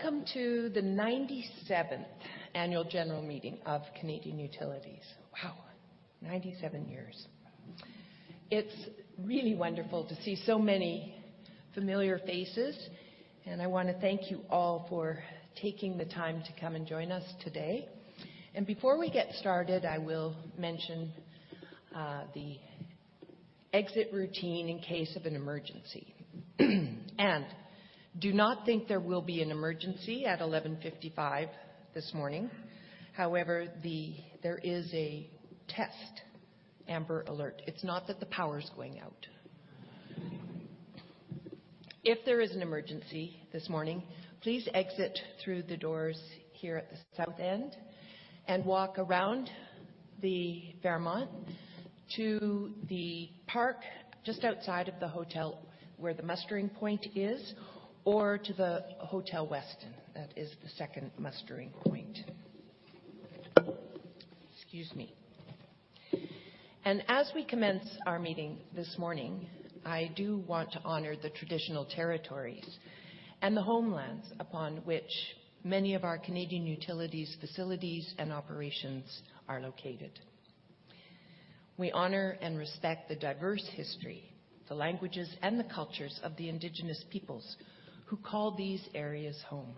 Welcome to the 97th Annual General Meeting of Canadian Utilities. Wow, 97 years. It's really wonderful to see so many familiar faces, and I want to thank you all for taking the time to come and join us today. Before we get started, I will mention the exit routine in case of an emergency. Do not think there will be an emergency at 11:55 A.M. this morning. However, there is a test amber alert. It's not that the power is going out. If there is an emergency this morning, please exit through the doors here at the south end and walk around the Fairmont to the park just outside of the hotel where the mustering point is, or to the Westin. That is the second mustering point. Excuse me. As we commence our meeting this morning, I do want to honor the traditional territories and the homelands upon which many of our Canadian Utilities' facilities and operations are located. We honor and respect the diverse history, the languages, and the cultures of the Indigenous peoples who call these areas home.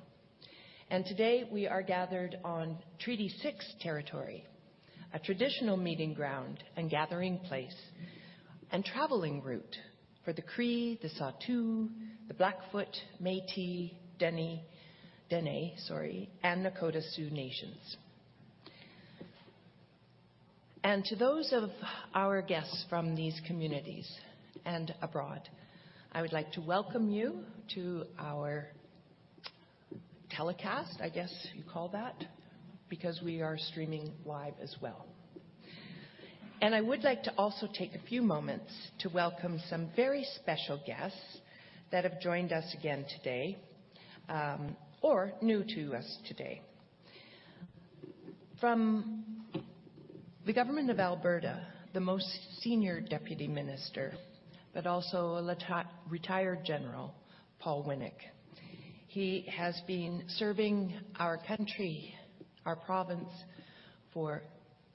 Today we are gathered on Treaty Six territory, a traditional meeting ground and gathering place and traveling route for the Cree, the Saulteaux, the Blackfoot, Métis, Dene, sorry, and Nakota Sioux nations. To those of our guests from these communities and abroad, I would like to welcome you to our telecast, I guess you call that, because we are streaming live as well. I would like to also take a few moments to welcome some very special guests that have joined us again today or new to us today. From the Government of Alberta, the most senior Deputy Minister, but also a retired General, Paul Wynnyk. He has been serving our country, our province, for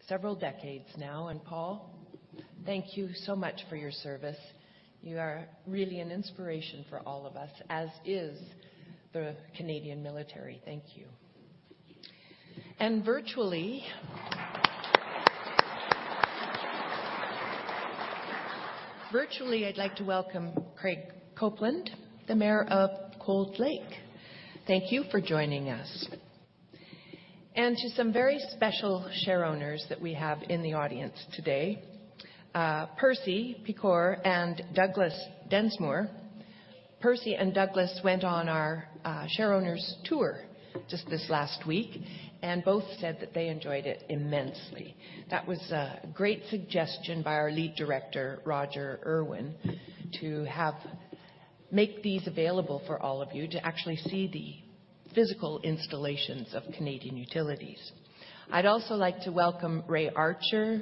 several decades now. Paul, thank you so much for your service. You are really an inspiration for all of us, as is the Canadian military. Thank you. Virtually, I'd like to welcome Craig Copeland, the Mayor of Cold Lake. Thank you for joining us. To some very special shareowners that we have in the audience today, Percy Picour and Douglas Densmore. Percy and Douglas went on our shareowners' tour just this last week and both said that they enjoyed it immensely. That was a great suggestion by our Lead Director, Roger Urwin, to make these available for all of you to actually see the physical installations of Canadian Utilities. I'd also like to welcome Ray Archer,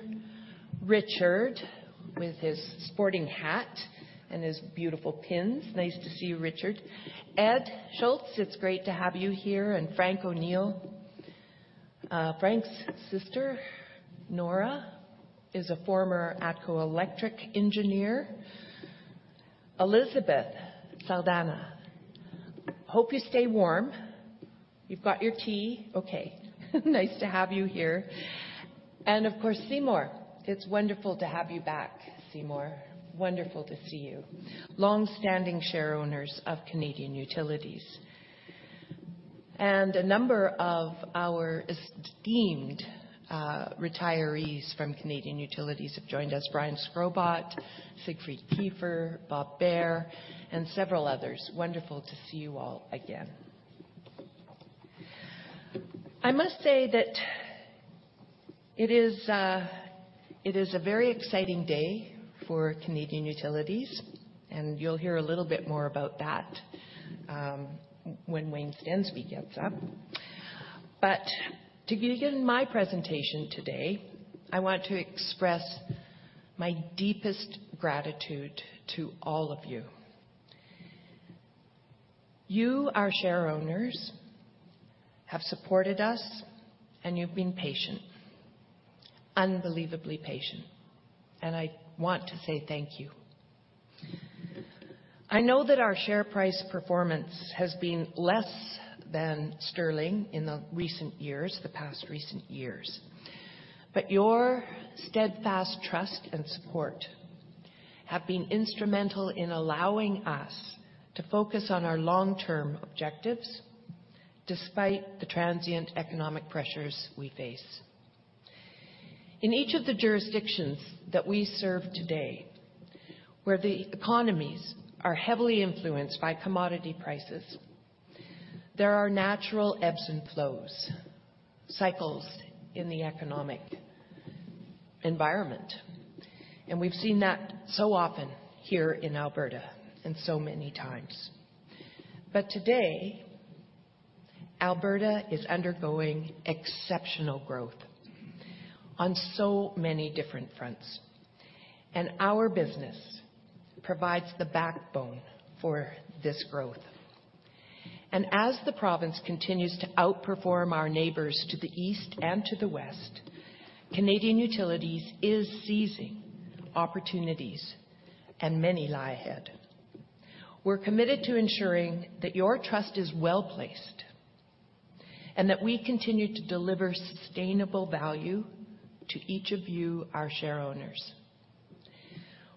Richard, with his sporting hat and his beautiful pins. Nice to see you, Richard. Ed Schultz, it's great to have you here. And Frank O'Neill. Frank's sister, Nora, is a former ATCO Electric engineer. Elizabeth Saldana. Hope you stay warm. You've got your tea. Okay. Nice to have you here. And of course, Seymour. It's wonderful to have you back, Seymour. Wonderful to see you. Longstanding shareowners of Canadian Utilities. And a number of our esteemed retirees from Canadian Utilities have joined us. Brian Shkrobot, Siegfried Kiefer, Bob Bayley, and several others. Wonderful to see you all again. I must say that it is a very exciting day for Canadian Utilities, and you'll hear a little bit more about that when Wayne Stensby gets up. But to begin my presentation today, I want to express my deepest gratitude to all of you. You, our shareowners, have supported us and you've been patient. Unbelievably patient. I want to say thank you. I know that our share price performance has been less than sterling in the recent years, the past recent years. Your steadfast trust and support have been instrumental in allowing us to focus on our long-term objectives despite the transient economic pressures we face. In each of the jurisdictions that we serve today, where the economies are heavily influenced by commodity prices, there are natural ebbs and flows, cycles in the economic environment. We've seen that so often here in Alberta and so many times. Today, Alberta is undergoing exceptional growth on so many different fronts. Our business provides the backbone for this growth. As the province continues to outperform our neighbors to the east and to the west, Canadian Utilities is seizing opportunities and many lie ahead. We're committed to ensuring that your trust is well placed and that we continue to deliver sustainable value to each of you, our shareowners.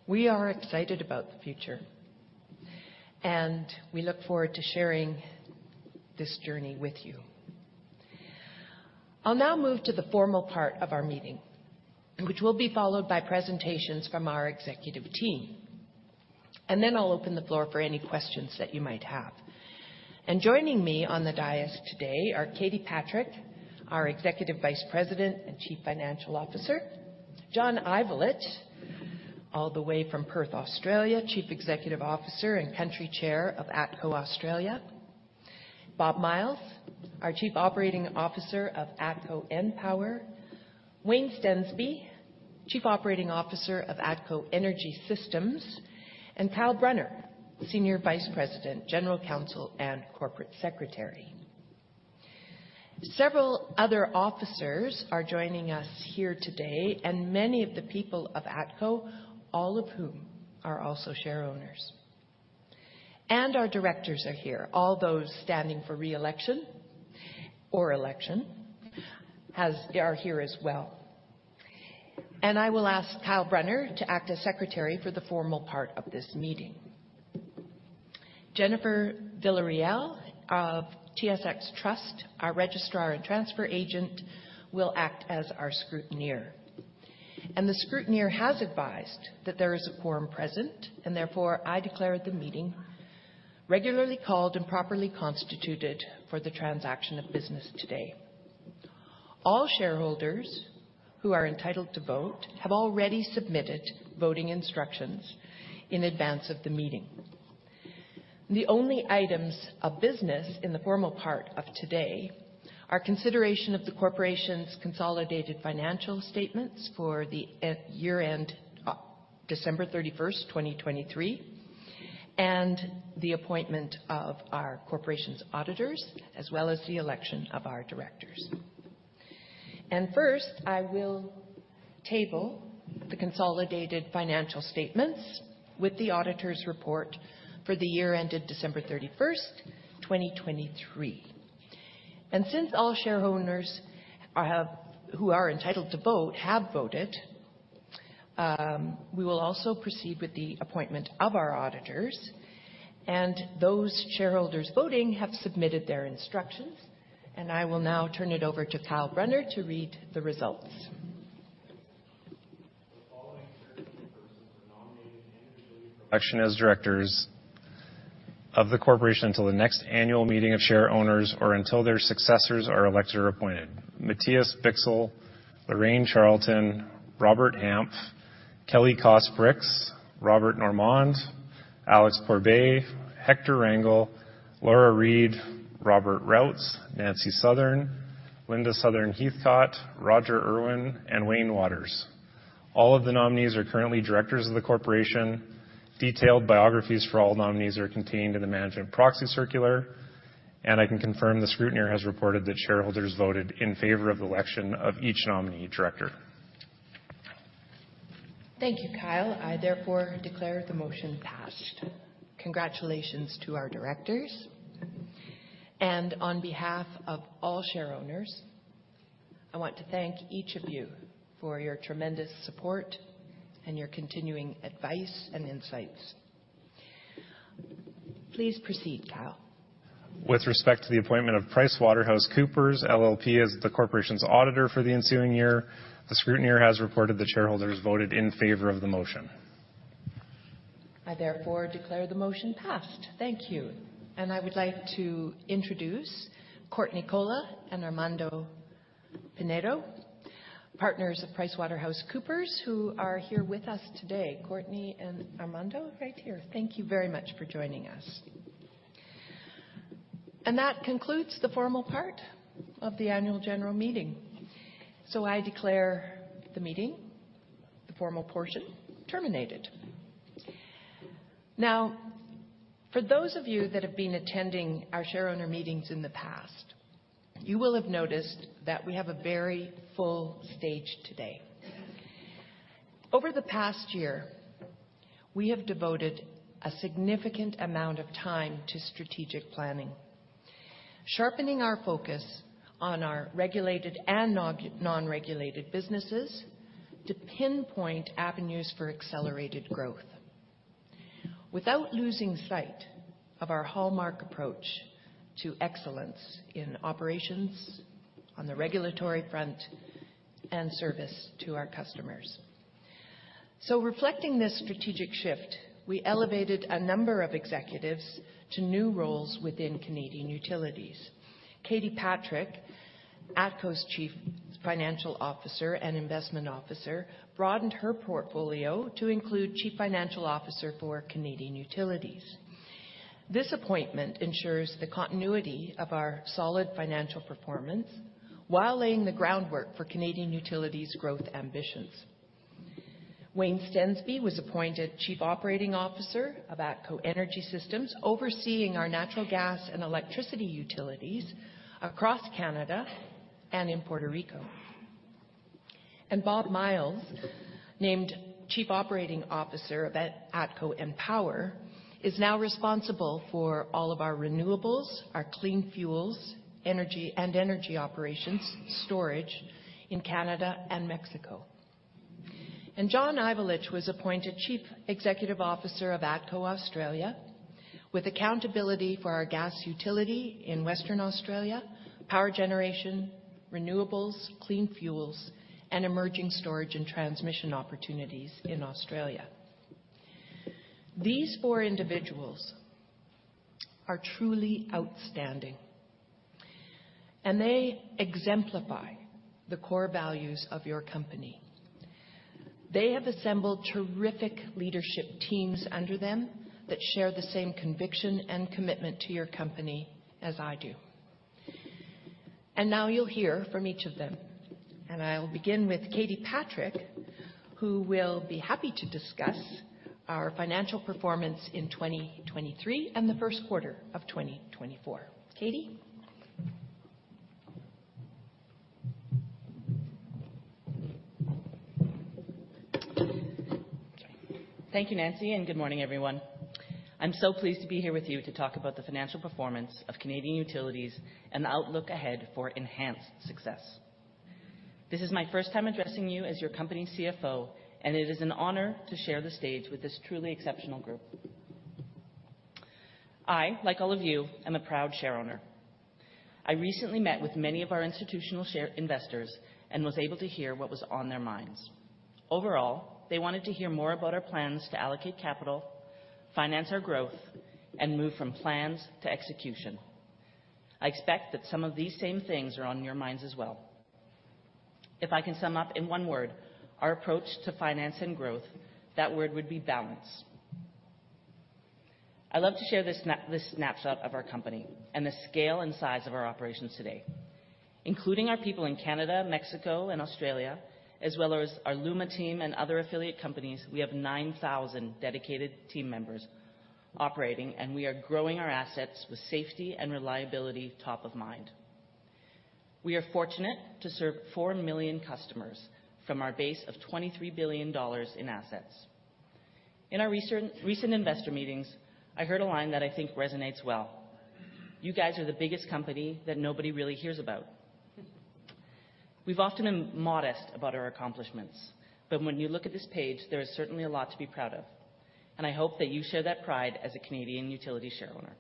We are excited about the future and we look forward to sharing this journey with you. I'll now move to the formal part of our meeting, which will be followed by presentations from our executive team. Then I'll open the floor for any questions that you might have. Joining me on the dais today are Katie Patrick, our Executive Vice President and Chief Financial Officer; John Ivulich, all the way from Perth, Australia, Chief Executive Officer and Country Chair of ATCO Australia; Bob Myles, our Chief Operating Officer of ATCO EnPower; Wayne Stensby, Chief Operating Officer of ATCO Energy Systems; and Kyle Brunner, Senior Vice President, General Counsel, and Corporate Secretary. Several other officers are joining us here today and many of the people of ATCO, all of whom are also shareowners. Our directors are here. All those standing for re-election or election are here as well. I will ask Kyle Brunner to act as Secretary for the formal part of this meeting. Jennifer Villarreal of TSX Trust, our Registrar and Transfer Agent, will act as our scrutineer. The scrutineer has advised that there is a quorum present and therefore I declare the meeting regularly called and properly constituted for the transaction of business today. All shareholders who are entitled to vote have already submitted voting instructions in advance of the meeting. The only items of business in the formal part of today are consideration of the Corporation's consolidated financial statements for the year-end, December 31st, 2023, and the appointment of our Corporation's auditors, as well as the election of our directors. First, I will table the consolidated financial statements with the auditor's report for the year-ended, December 31st, 2023. Since all shareholders who are entitled to vote have voted, we will also proceed with the appointment of our auditors. Those shareholders voting have submitted their instructions. I will now turn it over to Kyle Brunner to read the results. Election as Directors of the Corporation until the next annual meeting of shareowners or until their successors are elected or appointed: Matthias Bichsel, Lorraine Charlton, Robert Hanf, Kelly Koss-Brix, Robert Normand, Alexander Pourbaix, Hector Rangel, Laura Reed, Robert Routs, Nancy Southern, Linda Southern-Heathcott, Roger Urwin, and Wayne Wouters. All of the nominees are currently Directors of the Corporation. Detailed biographies for all nominees are contained in the Management Proxy Circular. I can confirm the scrutineer has reported that shareholders voted in favor of the election of each nominee Director. Thank you, Kyle. I therefore declare the motion passed. Congratulations to our Directors. On behalf of all shareowners, I want to thank each of you for your tremendous support and your continuing advice and insights. Please proceed, Kyle. With respect to the appointment of PricewaterhouseCoopers LLP as the Corporation's Auditor for the ensuing year, the scrutineer has reported the shareholders voted in favor of the motion. I therefore declare the motion passed. Thank you. I would like to introduce Courtney Kolla and Armando Pinedo, partners of PricewaterhouseCoopers, who are here with us today. Courtney and Armando, right here. Thank you very much for joining us. That concludes the formal part of the annual general meeting. I declare the meeting, the formal portion, terminated. Now, for those of you that have been attending our shareowner meetings in the past, you will have noticed that we have a very full stage today. Over the past year, we have devoted a significant amount of time to strategic planning, sharpening our focus on our regulated and non-regulated businesses to pinpoint avenues for accelerated growth without losing sight of our hallmark approach to excellence in operations on the regulatory front and service to our customers. Reflecting this strategic shift, we elevated a number of executives to new roles within Canadian Utilities. Katie Patrick, ATCO's Chief Financial Officer and Investment Officer, broadened her portfolio to include Chief Financial Officer for Canadian Utilities. This appointment ensures the continuity of our solid financial performance while laying the groundwork for Canadian Utilities' growth ambitions. Wayne Stensby was appointed Chief Operating Officer of ATCO Energy Systems, overseeing our natural gas and electricity utilities across Canada and in Puerto Rico. Bob Myles, named Chief Operating Officer of ATCO EnPower, is now responsible for all of our renewables, our clean fuels, and energy operations, storage in Canada and Mexico. John Ivulich was appointed Chief Executive Officer of ATCO Australia, with accountability for our gas utility in Western Australia, power generation, renewables, clean fuels, and emerging storage and transmission opportunities in Australia. These four individuals are truly outstanding. They exemplify the core values of your company. They have assembled terrific leadership teams under them that share the same conviction and commitment to your company as I do. And now you'll hear from each of them. And I will begin with Katie Patrick, who will be happy to discuss our financial performance in 2023 and the first quarter of 2024. Katie? Thank you, Nancy. Good morning, everyone. I'm so pleased to be here with you to talk about the financial performance of Canadian Utilities and the outlook ahead for enhanced success. This is my first time addressing you as your company's CFO, and it is an honor to share the stage with this truly exceptional group. I, like all of you, am a proud shareowner. I recently met with many of our institutional investors and was able to hear what was on their minds. Overall, they wanted to hear more about our plans to allocate capital, finance our growth, and move from plans to execution. I expect that some of these same things are on your minds as well. If I can sum up in one word our approach to finance and growth, that word would be balance. I love to share this snapshot of our company and the scale and size of our operations today. Including our people in Canada, Mexico, and Australia, as well as our LUMA team and other affiliate companies, we have 9,000 dedicated team members operating, and we are growing our assets with safety and reliability top of mind. We are fortunate to serve 4 million customers from our base of 23 billion dollars in assets. In our recent investor meetings, I heard a line that I think resonates well. You guys are the biggest company that nobody really hears about. We've often been modest about our accomplishments, but when you look at this page, there is certainly a lot to be proud of. I hope that you share that pride as a Canadian Utilities shareowner.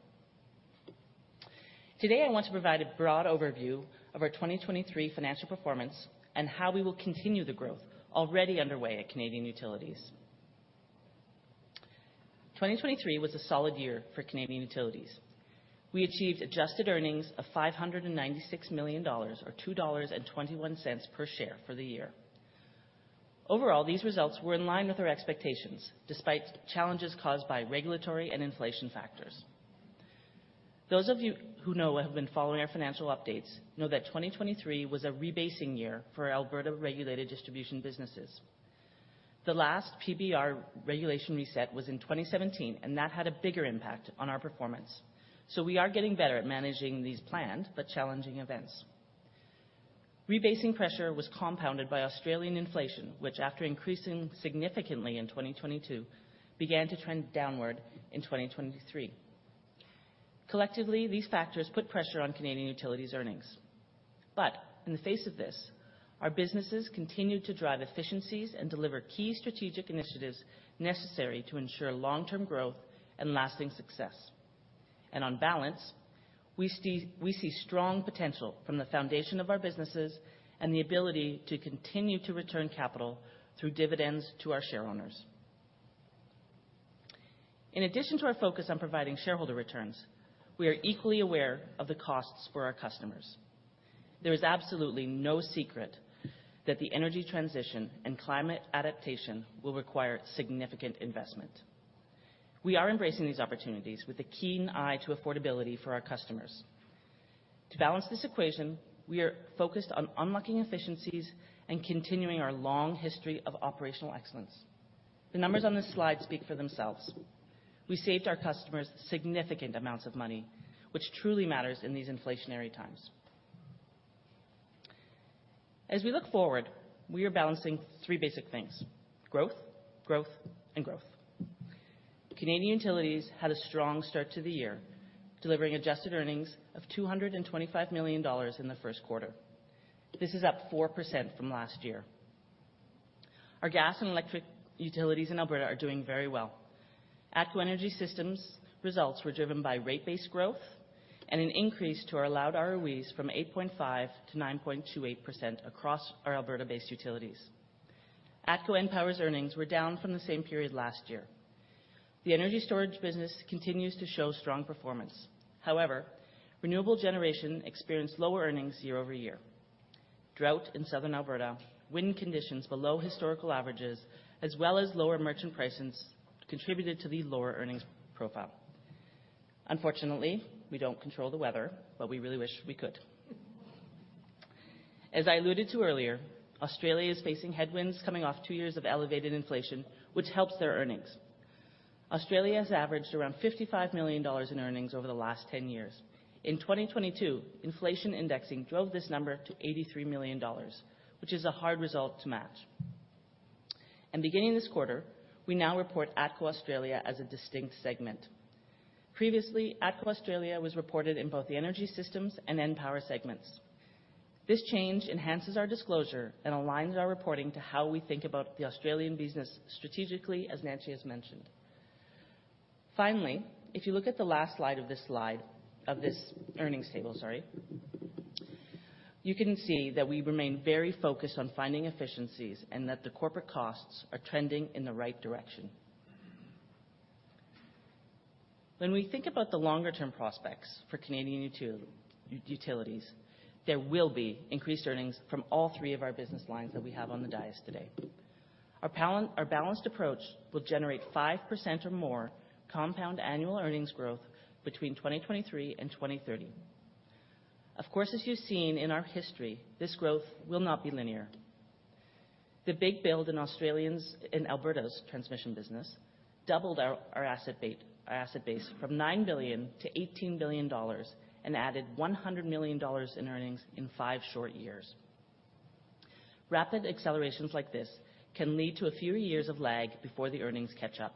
Today, I want to provide a broad overview of our 2023 financial performance and how we will continue the growth already underway at Canadian Utilities. 2023 was a solid year for Canadian Utilities. We achieved adjusted earnings of 596 million dollars, or 2.21 dollars per share, for the year. Overall, these results were in line with our expectations despite challenges caused by regulatory and inflation factors. Those of you who know or have been following our financial updates know that 2023 was a rebasing year for our Alberta regulated distribution businesses. The last PBR regulation reset was in 2017, and that had a bigger impact on our performance. So we are getting better at managing these planned but challenging events. Rebasing pressure was compounded by Australian inflation, which, after increasing significantly in 2022, began to trend downward in 2023. Collectively, these factors put pressure on Canadian Utilities' earnings. But in the face of this, our businesses continue to drive efficiencies and deliver key strategic initiatives necessary to ensure long-term growth and lasting success. And on balance, we see strong potential from the foundation of our businesses and the ability to continue to return capital through dividends to our shareowners. In addition to our focus on providing shareholder returns, we are equally aware of the costs for our customers. There is absolutely no secret that the energy transition and climate adaptation will require significant investment. We are embracing these opportunities with a keen eye to affordability for our customers. To balance this equation, we are focused on unlocking efficiencies and continuing our long history of operational excellence. The numbers on this slide speak for themselves. We saved our customers significant amounts of money, which truly matters in these inflationary times. As we look forward, we are balancing three basic things: growth, growth, and growth. Canadian Utilities had a strong start to the year, delivering adjusted earnings of 225 million dollars in the first quarter. This is up 4% from last year. Our gas and electric utilities in Alberta are doing very well. ATCO Energy Systems' results were driven by rate-based growth and an increase to our allowed ROEs from 8.5% to 9.28% across our Alberta-based utilities. ATCO EnPower's earnings were down from the same period last year. The energy storage business continues to show strong performance. However, renewable generation experienced lower earnings year-over-year. Drought in southern Alberta, wind conditions below historical averages, as well as lower merchant prices contributed to the lower earnings profile. Unfortunately, we don't control the weather, but we really wish we could. As I alluded to earlier, Australia is facing headwinds coming off two years of elevated inflation, which helps their earnings. Australia has averaged around 55 million dollars in earnings over the last 10 years. In 2022, inflation indexing drove this number to 83 million dollars, which is a hard result to match. Beginning this quarter, we now report ATCO Australia as a distinct segment. Previously, ATCO Australia was reported in both the Energy Systems and EnPower segments. This change enhances our disclosure and aligns our reporting to how we think about the Australian business strategically, as Nancy has mentioned. Finally, if you look at the last slide of this slide of this earnings table, sorry, you can see that we remain very focused on finding efficiencies and that the corporate costs are trending in the right direction. When we think about the longer-term prospects for Canadian Utilities, there will be increased earnings from all three of our business lines that we have on the dais today. Our balanced approach will generate 5% or more compound annual earnings growth between 2023 and 2030. Of course, as you've seen in our history, this growth will not be linear. The big build in Australia's and Alberta's transmission business doubled our asset base from 9 billion to 18 billion dollars and added 100 million dollars in earnings in five short years. Rapid accelerations like this can lead to a few years of lag before the earnings catch up.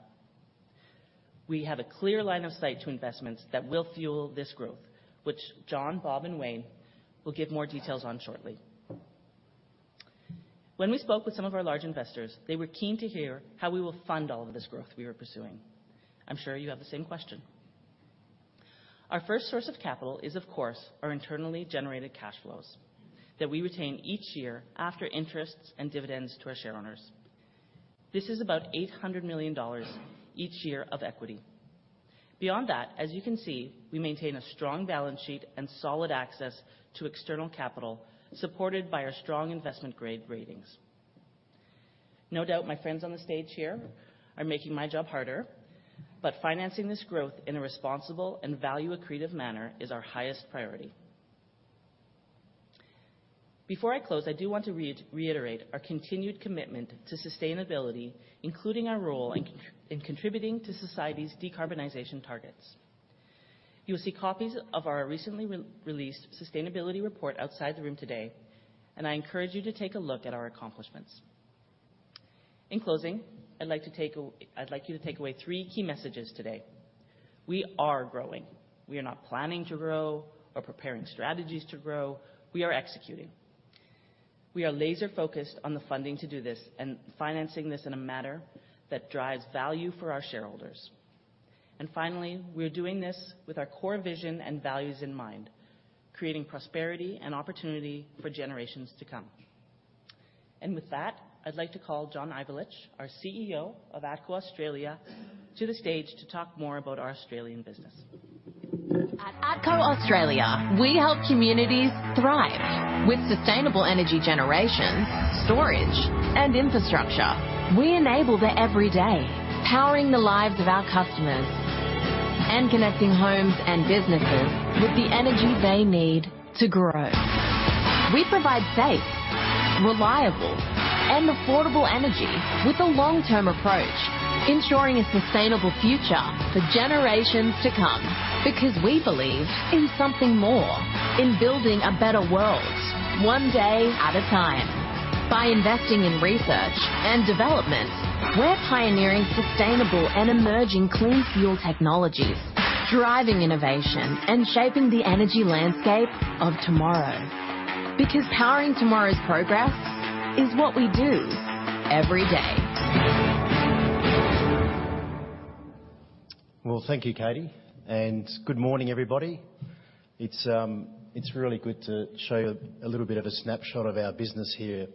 We have a clear line of sight to investments that will fuel this growth, which John, Bob, and Wayne will give more details on shortly. When we spoke with some of our large investors, they were keen to hear how we will fund all of this growth we were pursuing. I'm sure you have the same question. Our first source of capital is, of course, our internally generated cash flows that we retain each year after interest and dividends to our shareowners. This is about 800 million dollars each year of equity. Beyond that, as you can see, we maintain a strong balance sheet and solid access to external capital supported by our strong investment-grade ratings. No doubt my friends on the stage here are making my job harder, but financing this growth in a responsible and value-accretive manner is our highest priority. Before I close, I do want to reiterate our continued commitment to sustainability, including our role in contributing to society's decarbonization targets. You will see copies of our recently released sustainability report outside the room today, and I encourage you to take a look at our accomplishments. In closing, I'd like you to take away three key messages today. We are growing. We are not planning to grow or preparing strategies to grow. We are executing. We are laser-focused on the funding to do this and financing this in a manner that drives value for our shareholders. And finally, we're doing this with our core vision and values in mind, creating prosperity and opportunity for generations to come. And with that, I'd like to call John Ivulich, our CEO of ATCO Australia, to the stage to talk more about our Australian business. At ATCO Australia, we help communities thrive. With sustainable energy generation, storage, and infrastructure, we enable their everyday, powering the lives of our customers and connecting homes and businesses with the energy they need to grow. We provide safe, reliable, and affordable energy with a long-term approach, ensuring a sustainable future for generations to come because we believe in something more, in building a better world one day at a time. By investing in research and development, we're pioneering sustainable and emerging clean fuel technologies, driving innovation, and shaping the energy landscape of tomorrow. Because powering tomorrow's progress is what we do every day. Well, thank you, Katie. Good morning, everybody. It's really good to show you a little bit of a snapshot of our business here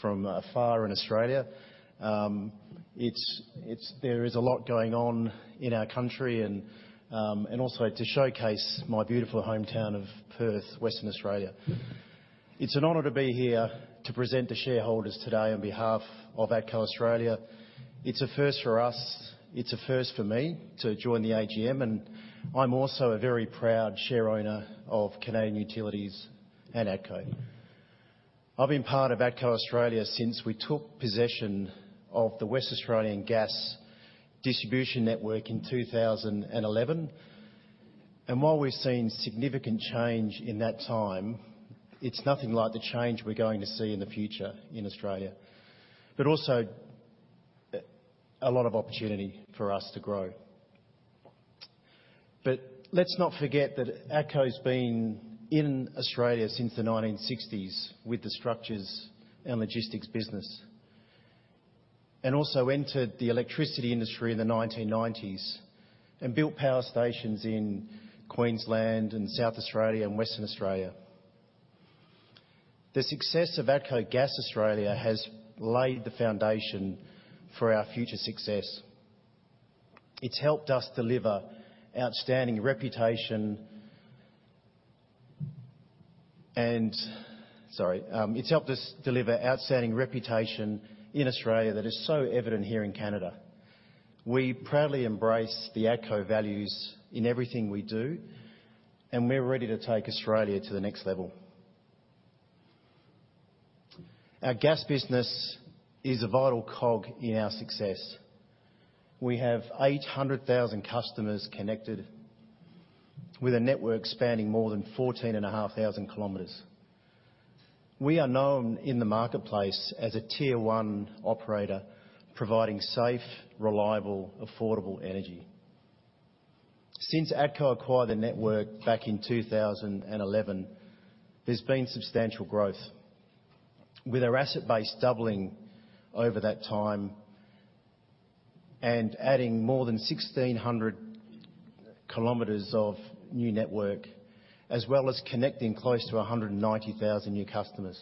from afar in Australia. There is a lot going on in our country and also to showcase my beautiful hometown of Perth, Western Australia. It's an honour to be here to present to shareholders today on behalf of ATCO Australia. It's a first for us. It's a first for me to join the AGM, and I'm also a very proud shareowner of Canadian Utilities and ATCO. I've been part of ATCO Australia since we took possession of the West Australian Gas Distribution Network in 2011. And while we've seen significant change in that time, it's nothing like the change we're going to see in the future in Australia, but also a lot of opportunity for us to grow. But let's not forget that ATCO's been in Australia since the 1960s with the structures and logistics business and also entered the electricity industry in the 1990s and built power stations in Queensland and South Australia and Western Australia. The success of ATCO Gas Australia has laid the foundation for our future success. It's helped us deliver outstanding reputation and sorry, it's helped us deliver outstanding reputation in Australia that is so evident here in Canada. We proudly embrace the ATCO values in everything we do, and we're ready to take Australia to the next level. Our gas business is a vital cog in our success. We have 800,000 customers connected with a network spanning more than 14,500 kilometers. We are known in the marketplace as a tier-one operator providing safe, reliable, affordable energy. Since ATCO acquired the network back in 2011, there's been substantial growth, with our asset base doubling over that time and adding more than 1,600 kilometers of new network, as well as connecting close to 190,000 new customers.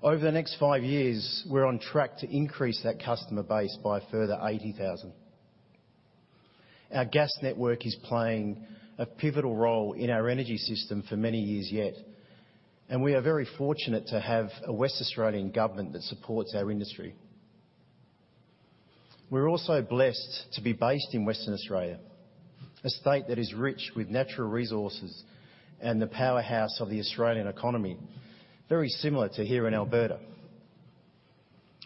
Over the next five years, we're on track to increase that customer base by further 80,000. Our gas network is playing a pivotal role in our energy system for many years yet, and we are very fortunate to have a Western Australian government that supports our industry. We're also blessed to be based in Western Australia, a state that is rich with natural resources and the powerhouse of the Australian economy, very similar to here in Alberta.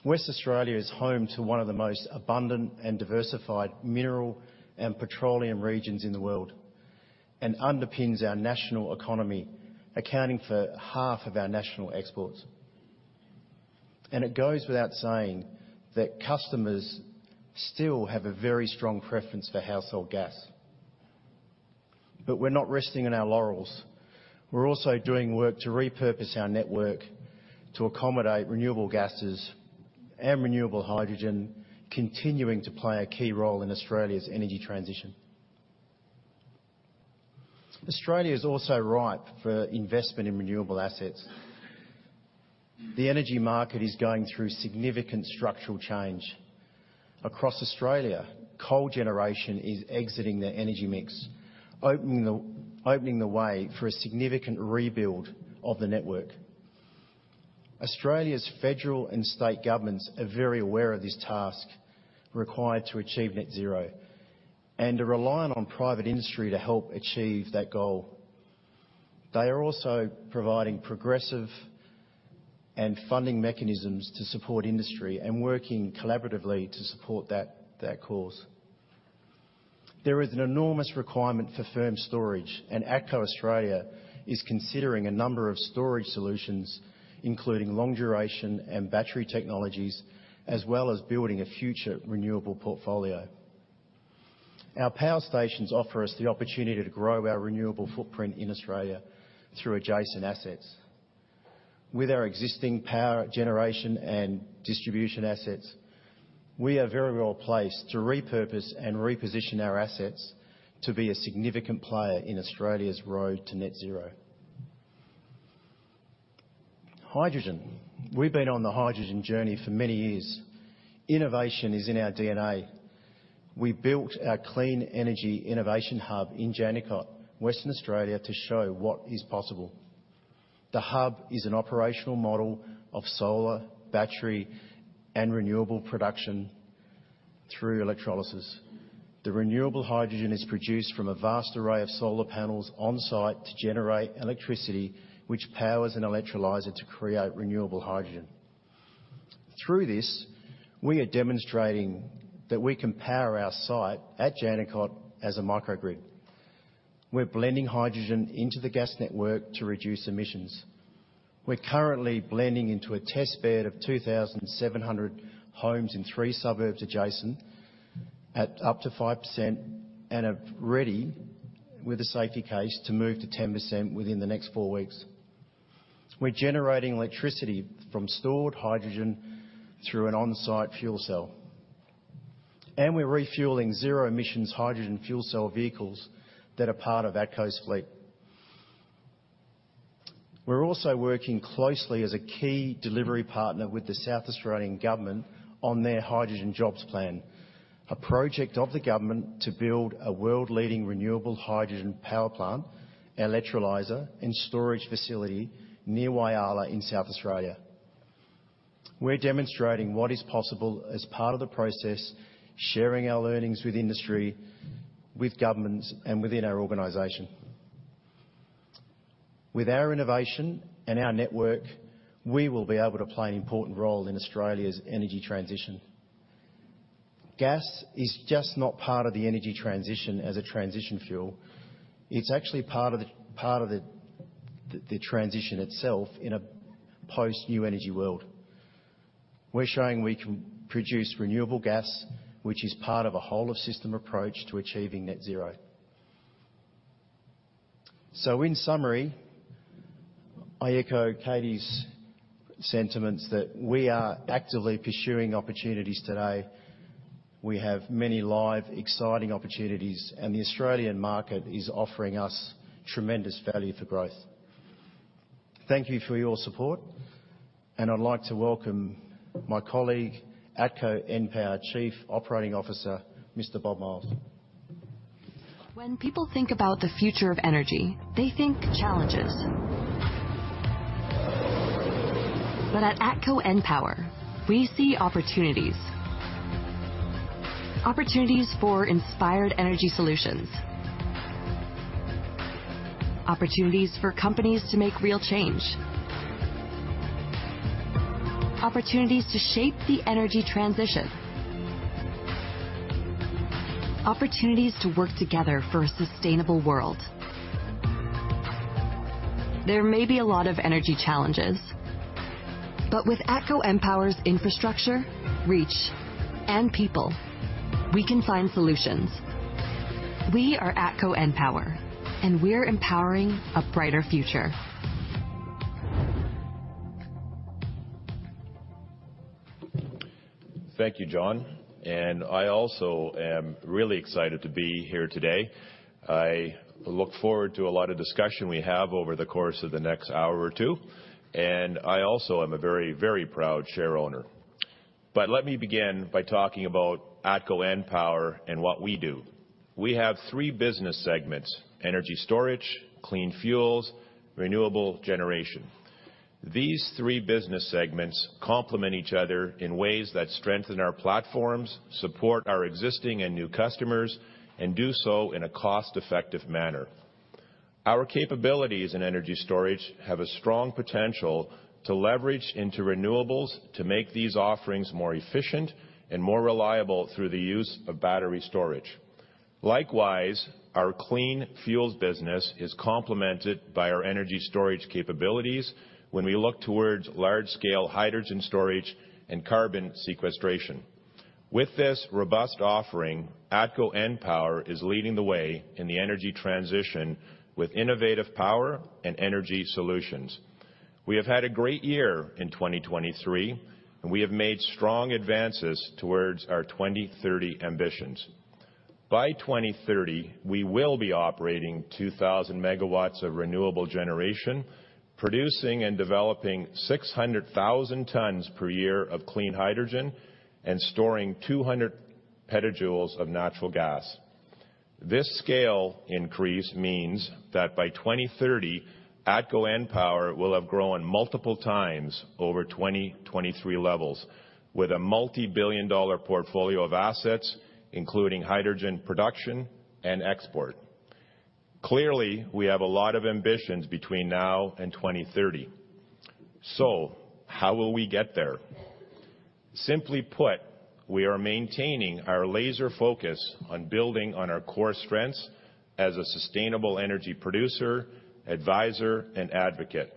Western Australia is home to one of the most abundant and diversified mineral and petroleum regions in the world and underpins our national economy, accounting for half of our national exports. It goes without saying that customers still have a very strong preference for household gas. But we're not resting on our laurels. We're also doing work to repurpose our network to accommodate renewable gases and renewable hydrogen, continuing to play a key role in Australia's energy transition. Australia is also ripe for investment in renewable assets. The energy market is going through significant structural change. Across Australia, coal generation is exiting the energy mix, opening the way for a significant rebuild of the network. Australia's federal and state governments are very aware of this task required to achieve net zero and are relying on private industry to help achieve that goal. They are also providing progressive funding mechanisms to support industry and working collaboratively to support that cause. There is an enormous requirement for firm storage, and ATCO Australia is considering a number of storage solutions, including long-duration and battery technologies, as well as building a future renewable portfolio. Our power stations offer us the opportunity to grow our renewable footprint in Australia through adjacent assets. With our existing power generation and distribution assets, we are very well placed to repurpose and reposition our assets to be a significant player in Australia's road to Net Zero. Hydrogen. We've been on the hydrogen journey for many years. Innovation is in our DNA. We built our Clean Energy Innovation Hub in Jandakot, Western Australia, to show what is possible. The hub is an operational model of solar, battery, and renewable production through electrolysis. The renewable hydrogen is produced from a vast array of solar panels on-site to generate electricity, which powers an electrolyzer to create renewable hydrogen. Through this, we are demonstrating that we can power our site at Jandakot as a microgrid. We're blending hydrogen into the gas network to reduce emissions. We're currently blending into a test bed of 2,700 homes in three suburbs adjacent at up to 5% and are ready, with a safety case, to move to 10% within the next four weeks. We're generating electricity from stored hydrogen through an on-site fuel cell, and we're refuelling zero-emissions hydrogen fuel cell vehicles that are part of ATCO's fleet. We're also working closely as a key delivery partner with the South Australian government on their Hydrogen Jobs Plan, a project of the government to build a world-leading renewable hydrogen power plant, electrolyzer, and storage facility near Whyalla in South Australia. We're demonstrating what is possible as part of the process, sharing our learnings with industry, with governments, and within our organization. With our innovation and our network, we will be able to play an important role in Australia's energy transition. Gas is just not part of the energy transition as a transition fuel. It's actually part of the transition itself in a post-new energy world. We're showing we can produce renewable gas, which is part of a whole-of-system approach to achieving Net Zero. So in summary, I echo Katie's sentiments that we are actively pursuing opportunities today. We have many live, exciting opportunities, and the Australian market is offering us tremendous value for growth. Thank you for your support, and I'd like to welcome my colleague, ATCO EnPower Chief Operating Officer, Mr. Bob Myles. When people think about the future of energy, they think challenges. But at ATCO EnPower, we see opportunities. Opportunities for inspired energy solutions. Opportunities for companies to make real change. Opportunities to shape the energy transition. Opportunities to work together for a sustainable world. There may be a lot of energy challenges, but with ATCO EnPower's infrastructure, reach, and people, we can find solutions. We are ATCO EnPower, and we're empowering a brighter future. Thank you, John. I also am really excited to be here today. I look forward to a lot of discussion we have over the course of the next hour or two, and I also am a very, very proud shareowner. Let me begin by talking about ATCO EnPower and what we do. We have three business segments: energy storage, clean fuels, renewable generation. These three business segments complement each other in ways that strengthen our platforms, support our existing and new customers, and do so in a cost-effective manner. Our capabilities in energy storage have a strong potential to leverage into renewables to make these offerings more efficient and more reliable through the use of battery storage. Likewise, our clean fuels business is complemented by our energy storage capabilities when we look towards large-scale hydrogen storage and carbon sequestration. With this robust offering, ATCO EnPower is leading the way in the energy transition with innovative power and energy solutions. We have had a great year in 2023, and we have made strong advances towards our 2030 ambitions. By 2030, we will be operating 2,000 MW of renewable generation, producing and developing 600,000 tonnes per year of clean hydrogen, and storing 200 PJ of natural gas. This scale increase means that by 2030, ATCO EnPower will have grown multiple times over 2023 levels, with a multi-billion-dollar portfolio of assets, including hydrogen production and export. Clearly, we have a lot of ambitions between now and 2030. So how will we get there? Simply put, we are maintaining our laser focus on building on our core strengths as a sustainable energy producer, advisor, and advocate.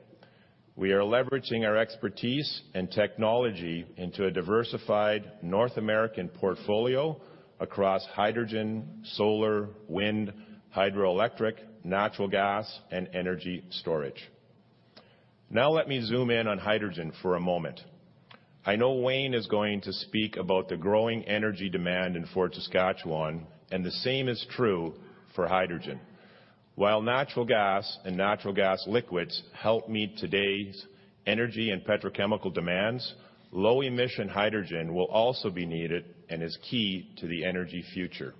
We are leveraging our expertise and technology into a diversified North American portfolio across hydrogen, solar, wind, hydroelectric, natural gas, and energy storage. Now let me zoom in on hydrogen for a moment. I know Wayne is going to speak about the growing energy demand in Fort Saskatchewan, and the same is true for hydrogen. While natural gas and natural gas liquids help meet today's energy and petrochemical demands, low-emission hydrogen will also be needed and is key to the energy future.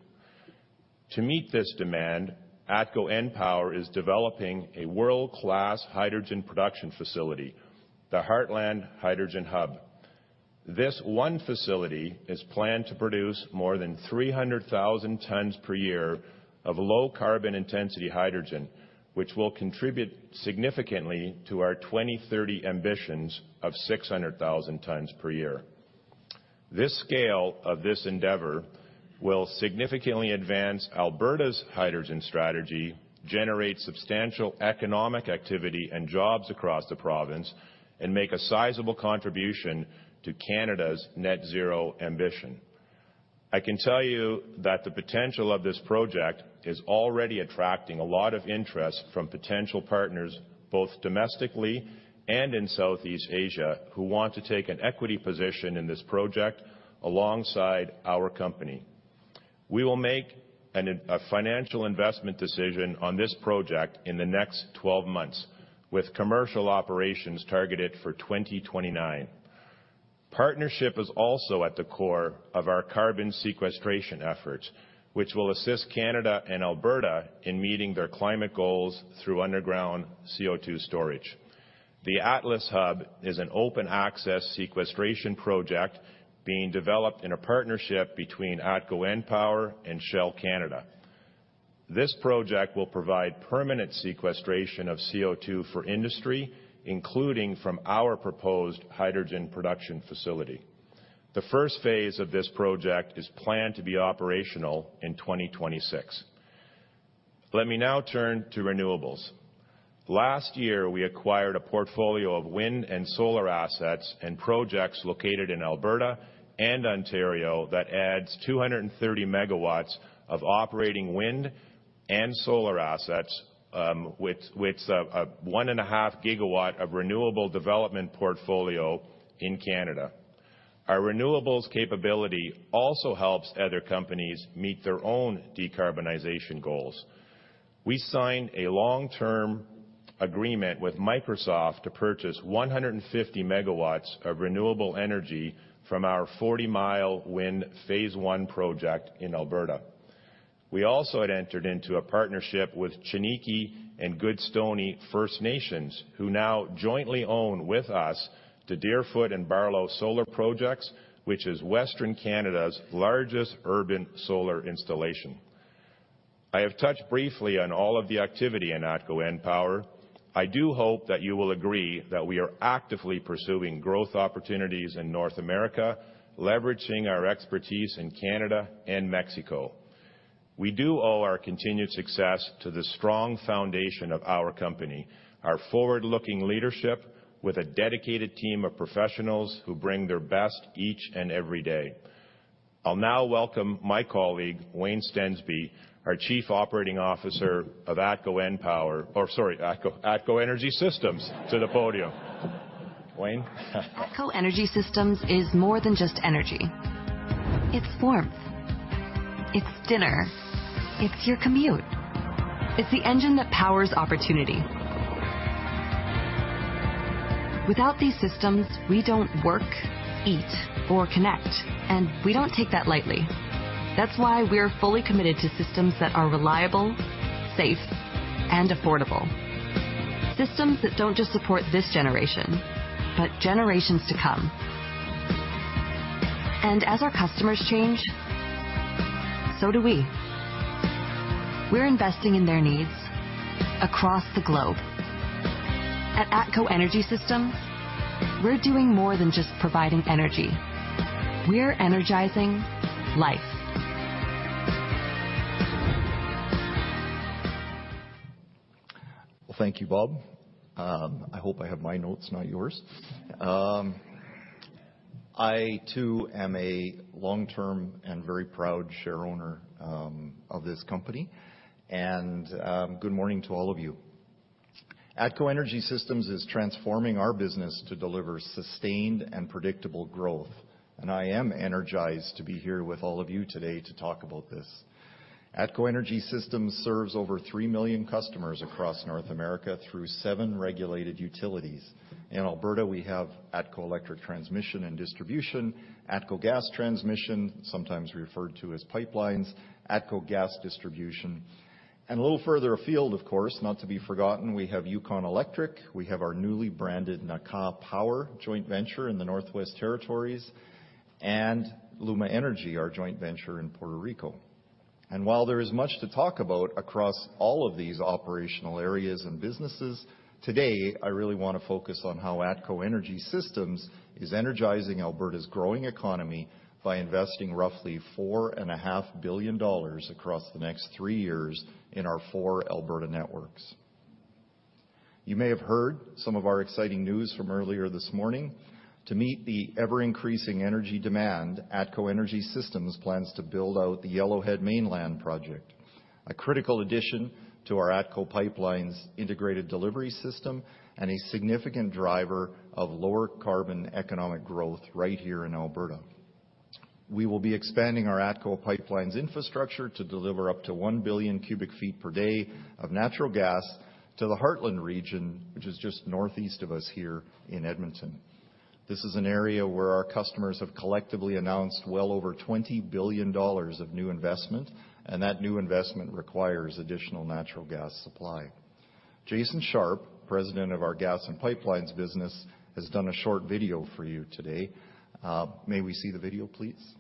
To meet this demand, ATCO EnPower is developing a world-class hydrogen production facility, the Heartland Hydrogen Hub. This one facility is planned to produce more than 300,000 tonnes per year of low-carbon intensity hydrogen, which will contribute significantly to our 2030 ambitions of 600,000 tonnes per year. This scale of this endeavor will significantly advance Alberta's hydrogen strategy, generate substantial economic activity and jobs across the province, and make a sizable contribution to Canada's net zero ambition. I can tell you that the potential of this project is already attracting a lot of interest from potential partners, both domestically and in Southeast Asia, who want to take an equity position in this project alongside our company. We will make a financial investment decision on this project in the next 12 months, with commercial operations targeted for 2029. Partnership is also at the core of our carbon sequestration efforts, which will assist Canada and Alberta in meeting their climate goals through underground CO2 storage. The Atlas Hub is an open-access sequestration project being developed in a partnership between ATCO EnPower and Shell Canada. This project will provide permanent sequestration of CO2 for industry, including from our proposed hydrogen production facility. The first phase of this project is planned to be operational in 2026. Let me now turn to renewables. Last year, we acquired a portfolio of wind and solar assets and projects located in Alberta and Ontario that adds 230 MW of operating wind and solar assets, with 1.5 GW of renewable development portfolio in Canada. Our renewables capability also helps other companies meet their own decarbonization goals. We signed a long-term agreement with Microsoft to purchase 150 MW of renewable energy from our Forty Mile Wind Phase One project in Alberta. We also had entered into a partnership with Chiniki and Goodstoney First Nations, who now jointly own with us Deerfoot and Barlow Solar Projects, which is Western Canada's largest urban solar installation. I have touched briefly on all of the activity in ATCO EnPower. I do hope that you will agree that we are actively pursuing growth opportunities in North America, leveraging our expertise in Canada and Mexico. We do owe our continued success to the strong foundation of our company, our forward-looking leadership with a dedicated team of professionals who bring their best each and every day. I'll now welcome my colleague, Wayne Stensby, our Chief Operating Officer of ATCO EnPower - oh, sorry, ATCO Energy Systems - to the podium. Wayne? ATCO Energy Systems is more than just energy. It's warmth. It's dinner. It's your commute. It's the engine that powers opportunity. Without these systems, we don't work, eat, or connect, and we don't take that lightly. That's why we're fully committed to systems that are reliable, safe, and affordable. Systems that don't just support this generation, but generations to come. As our customers change, so do we. We're investing in their needs across the globe. At ATCO Energy Systems, we're doing more than just providing energy. We're energizing life. Well, thank you, Bob. I hope I have my notes, not yours. I, too, am a long-term and very proud shareowner of this company, and good morning to all of you. ATCO Energy Systems is transforming our business to deliver sustained and predictable growth, and I am energized to be here with all of you today to talk about this. ATCO Energy Systems serves over 3 million customers across North America through seven regulated utilities. In Alberta, we have ATCO Electric Transmission and Distribution, ATCO Gas Transmission, sometimes referred to as pipelines, ATCO Gas Distribution. And a little further afield, of course, not to be forgotten, we have Yukon Electric, we have our newly branded Naka Power joint venture in the Northwest Territories, and Luma Energy, our joint venture in Puerto Rico. While there is much to talk about across all of these operational areas and businesses, today I really want to focus on how ATCO Energy Systems is energizing Alberta's growing economy by investing roughly 4.5 billion dollars across the next three years in our four Alberta networks. You may have heard some of our exciting news from earlier this morning. To meet the ever-increasing energy demand, ATCO Energy Systems plans to build out the Yellowhead Mainline Project, a critical addition to our ATCO Pipelines integrated delivery system and a significant driver of lower carbon economic growth right here in Alberta. We will be expanding our ATCO Pipelines infrastructure to deliver up to 1 billion cubic feet per day of natural gas to the Heartland region, which is just northeast of us here in Edmonton. This is an area where our customers have collectively announced well over 20 billion dollars of new investment, and that new investment requires additional natural gas supply. Jason Sharpe, President of our Gas and Pipelines business, has done a short video for you today. May we see the video, please?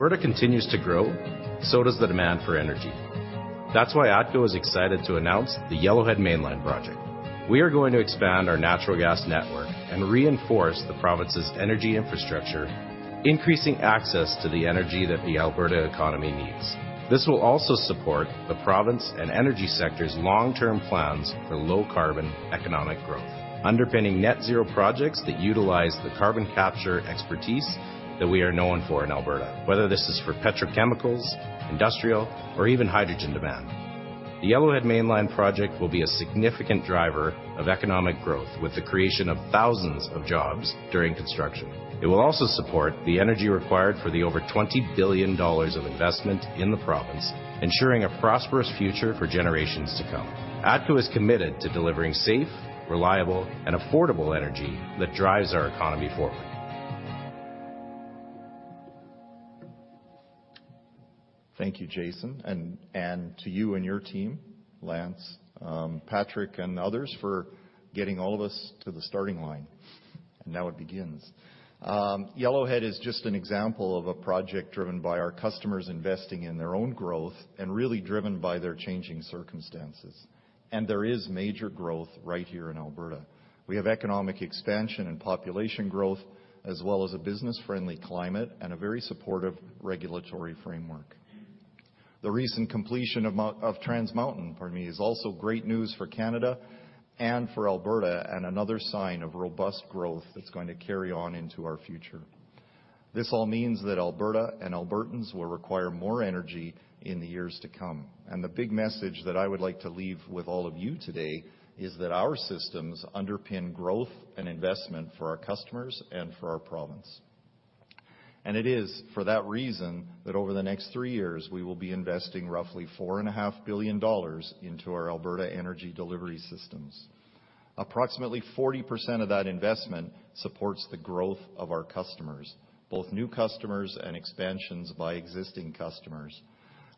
Alberta continues to grow, so does the demand for energy. That's why ATCO is excited to announce the Yellowhead Mainline Project. We are going to expand our natural gas network and reinforce the province's energy infrastructure, increasing access to the energy that the Alberta economy needs. This will also support the province and energy sector's long-term plans for low-carbon economic growth, underpinning net zero projects that utilize the carbon capture expertise that we are known for in Alberta, whether this is for petrochemicals, industrial, or even hydrogen demand. The Yellowhead Mainline Project will be a significant driver of economic growth with the creation of thousands of jobs during construction. It will also support the energy required for the over 20 billion dollars of investment in the province, ensuring a prosperous future for generations to come. ATCO is committed to delivering safe, reliable, and affordable energy that drives our economy forward. Thank you, Jason. To you and your team, Lance, Patrick, and others for getting all of us to the starting line. Now it begins. Yellowhead is just an example of a project driven by our customers investing in their own growth and really driven by their changing circumstances. There is major growth right here in Alberta. We have economic expansion and population growth, as well as a business-friendly climate and a very supportive regulatory framework. The recent completion of Trans Mountain is also great news for Canada and for Alberta, and another sign of robust growth that's going to carry on into our future. This all means that Alberta and Albertans will require more energy in the years to come. The big message that I would like to leave with all of you today is that our systems underpin growth and investment for our customers and for our province. It is for that reason that over the next three years we will be investing roughly 4.5 billion dollars into our Alberta energy delivery systems. Approximately 40% of that investment supports the growth of our customers, both new customers and expansions by existing customers.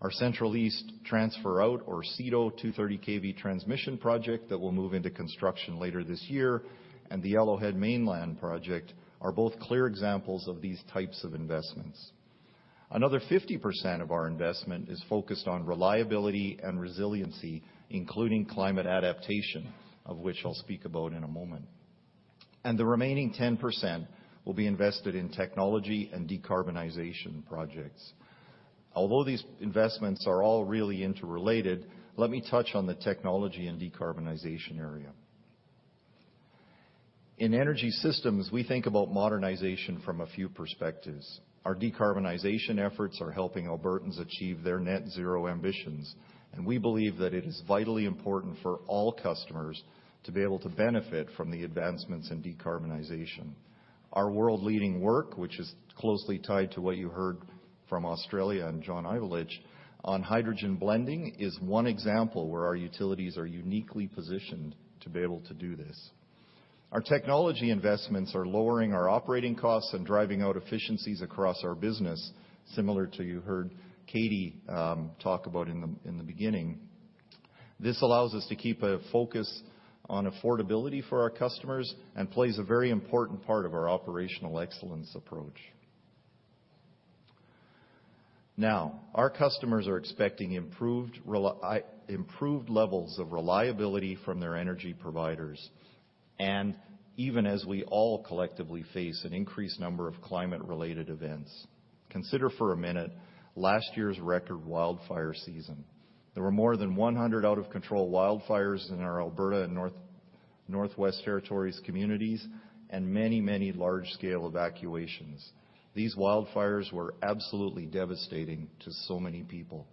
Our Central East Transfer-Out, or CETO, 230 kV transmission project that will move into construction later this year, and the Yellowhead Mainline Project are both clear examples of these types of investments. Another 50% of our investment is focused on reliability and resiliency, including climate adaptation, of which I'll speak about in a moment. The remaining 10% will be invested in technology and decarbonization projects. Although these investments are all really interrelated, let me touch on the technology and decarbonization area. In energy systems, we think about modernization from a few perspectives. Our decarbonization efforts are helping Albertans achieve their net zero ambitions, and we believe that it is vitally important for all customers to be able to benefit from the advancements in decarbonization. Our world-leading work, which is closely tied to what you heard from Australia and John Ivulich on hydrogen blending, is one example where our utilities are uniquely positioned to be able to do this. Our technology investments are lowering our operating costs and driving out efficiencies across our business, similar to what you heard Katie talk about in the beginning. This allows us to keep a focus on affordability for our customers and plays a very important part of our operational excellence approach. Now, our customers are expecting improved levels of reliability from their energy providers, and even as we all collectively face an increased number of climate-related events. Consider for a minute last year's record wildfire season. There were more than 100 out-of-control wildfires in our Alberta and Northwest Territories communities and many, many large-scale evacuations. These wildfires were absolutely devastating to so many people.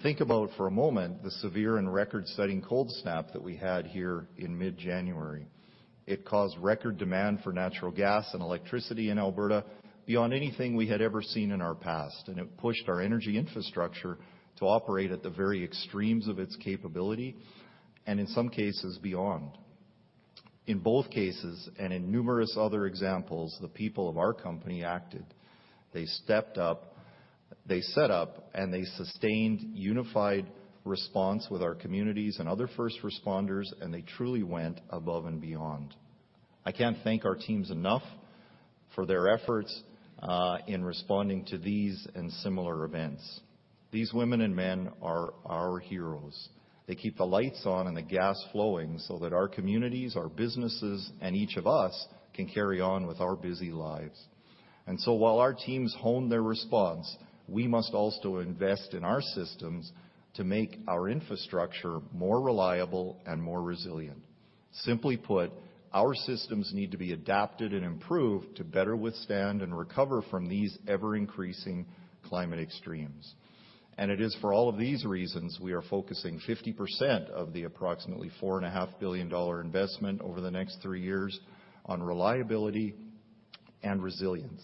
Think about, for a moment, the severe and record-setting cold snap that we had here in mid-January. It caused record demand for natural gas and electricity in Alberta beyond anything we had ever seen in our past, and it pushed our energy infrastructure to operate at the very extremes of its capability and, in some cases, beyond. In both cases and in numerous other examples, the people of our company acted. They stepped up, they set up, and they sustained unified response with our communities and other first responders, and they truly went above and beyond. I can't thank our teams enough for their efforts in responding to these and similar events. These women and men are our heroes. They keep the lights on and the gas flowing so that our communities, our businesses, and each of us can carry on with our busy lives. And so while our teams hone their response, we must also invest in our systems to make our infrastructure more reliable and more resilient. Simply put, our systems need to be adapted and improved to better withstand and recover from these ever-increasing climate extremes. It is for all of these reasons we are focusing 50% of the approximately 4.5 billion dollar investment over the next three years on reliability and resilience.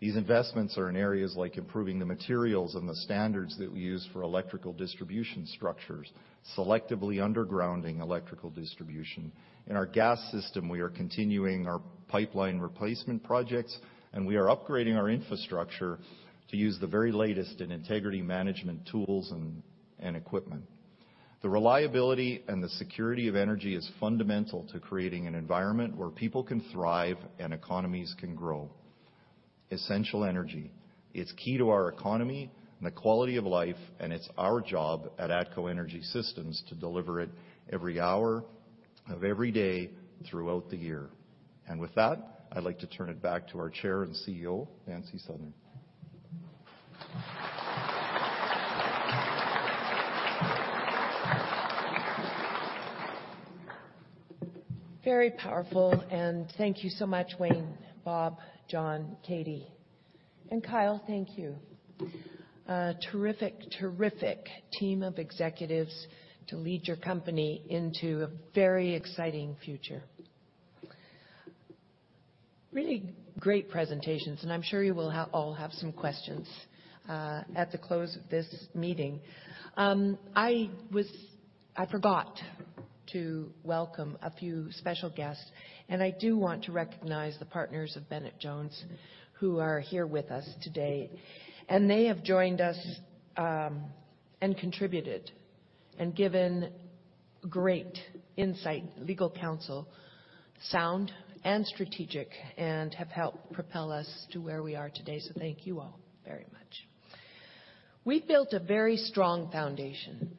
These investments are in areas like improving the materials and the standards that we use for electrical distribution structures, selectively undergrounding electrical distribution. In our gas system, we are continuing our pipeline replacement projects, and we are upgrading our infrastructure to use the very latest in integrity management tools and equipment. The reliability and the security of energy is fundamental to creating an environment where people can thrive and economies can grow. Essential energy. It's key to our economy and the quality of life, and it's our job at ATCO Energy Systems to deliver it every hour of every day throughout the year. And with that, I'd like to turn it back to our Chair and CEO, Nancy Southern. Very powerful. Thank you so much, Wayne, Bob, John, Katie. Kyle, thank you. Terrific, terrific team of executives to lead your company into a very exciting future. Really great presentations, and I'm sure you will all have some questions at the close of this meeting. I forgot to welcome a few special guests, and I do want to recognize the partners of Bennett Jones who are here with us today. They have joined us and contributed and given great insight, legal counsel, sound and strategic, and have helped propel us to where we are today. Thank you all very much. We've built a very strong foundation,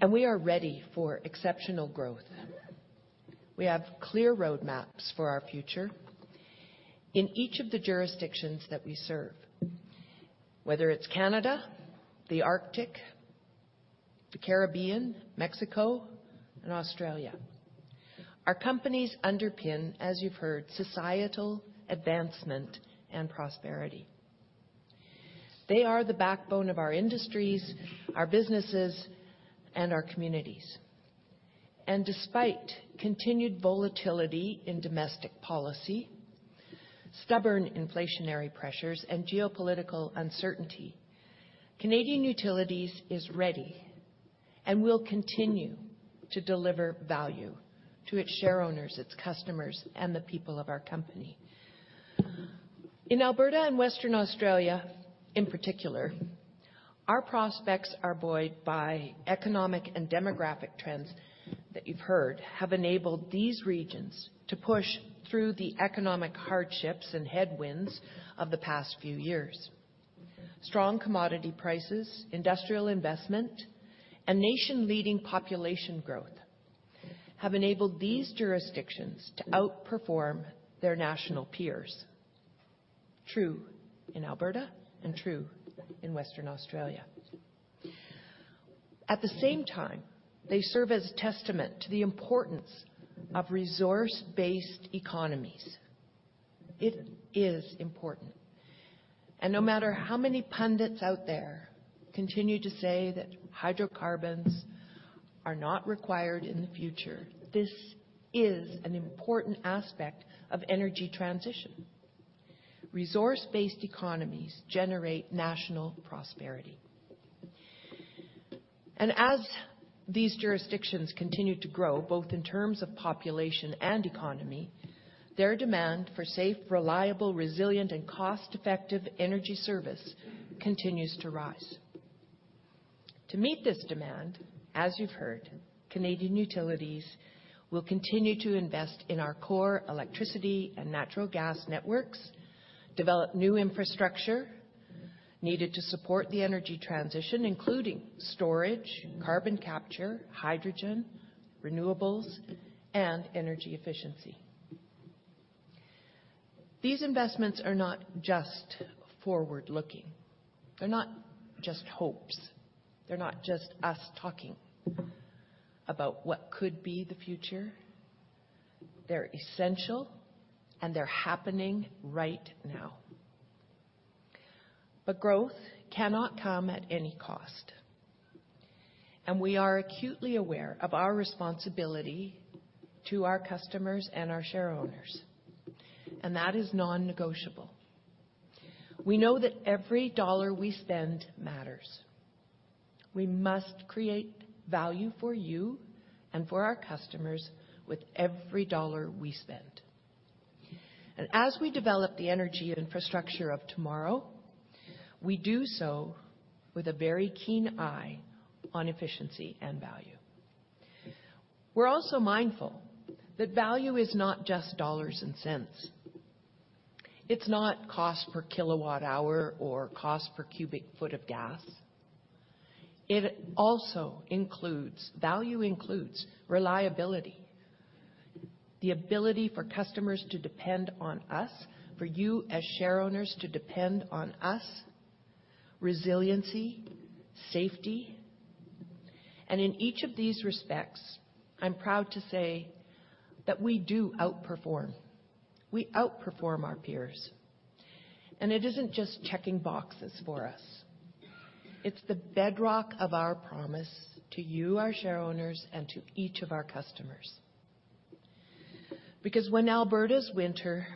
and we are ready for exceptional growth. We have clear roadmaps for our future in each of the jurisdictions that we serve, whether it's Canada, the Arctic, the Caribbean, Mexico, and Australia. Our companies underpin, as you've heard, societal advancement and prosperity. They are the backbone of our industries, our businesses, and our communities. And despite continued volatility in domestic policy, stubborn inflationary pressures, and geopolitical uncertainty, Canadian Utilities is ready and will continue to deliver value to its shareowners, its customers, and the people of our company. In Alberta and Western Australia, in particular, our prospects are buoyed by economic and demographic trends that you've heard have enabled these regions to push through the economic hardships and headwinds of the past few years. Strong commodity prices, industrial investment, and nation-leading population growth have enabled these jurisdictions to outperform their national peers. True in Alberta and true in Western Australia. At the same time, they serve as a testament to the importance of resource-based economies. It is important. No matter how many pundits out there continue to say that hydrocarbons are not required in the future, this is an important aspect of energy transition. Resource-based economies generate national prosperity. As these jurisdictions continue to grow, both in terms of population and economy, their demand for safe, reliable, resilient, and cost-effective energy service continues to rise. To meet this demand, as you've heard, Canadian Utilities will continue to invest in our core electricity and natural gas networks, develop new infrastructure needed to support the energy transition, including storage, carbon capture, hydrogen, renewables, and energy efficiency. These investments are not just forward-looking. They're not just hopes. They're not just us talking about what could be the future. They're essential, and they're happening right now. Growth cannot come at any cost. We are acutely aware of our responsibility to our customers and our shareowners, and that is non-negotiable. We know that every dollar we spend matters. We must create value for you and for our customers with every dollar we spend. As we develop the energy infrastructure of tomorrow, we do so with a very keen eye on efficiency and value. We're also mindful that value is not just dollars and cents. It's not cost per kilowatt-hour or cost per cubic foot of gas. It also includes value, reliability, the ability for customers to depend on us, for you as shareowners to depend on us, resiliency, safety. In each of these respects, I'm proud to say that we do outperform. We outperform our peers. It isn't just checking boxes for us. It's the bedrock of our promise to you, our shareowners, and to each of our customers. Because when Alberta's winter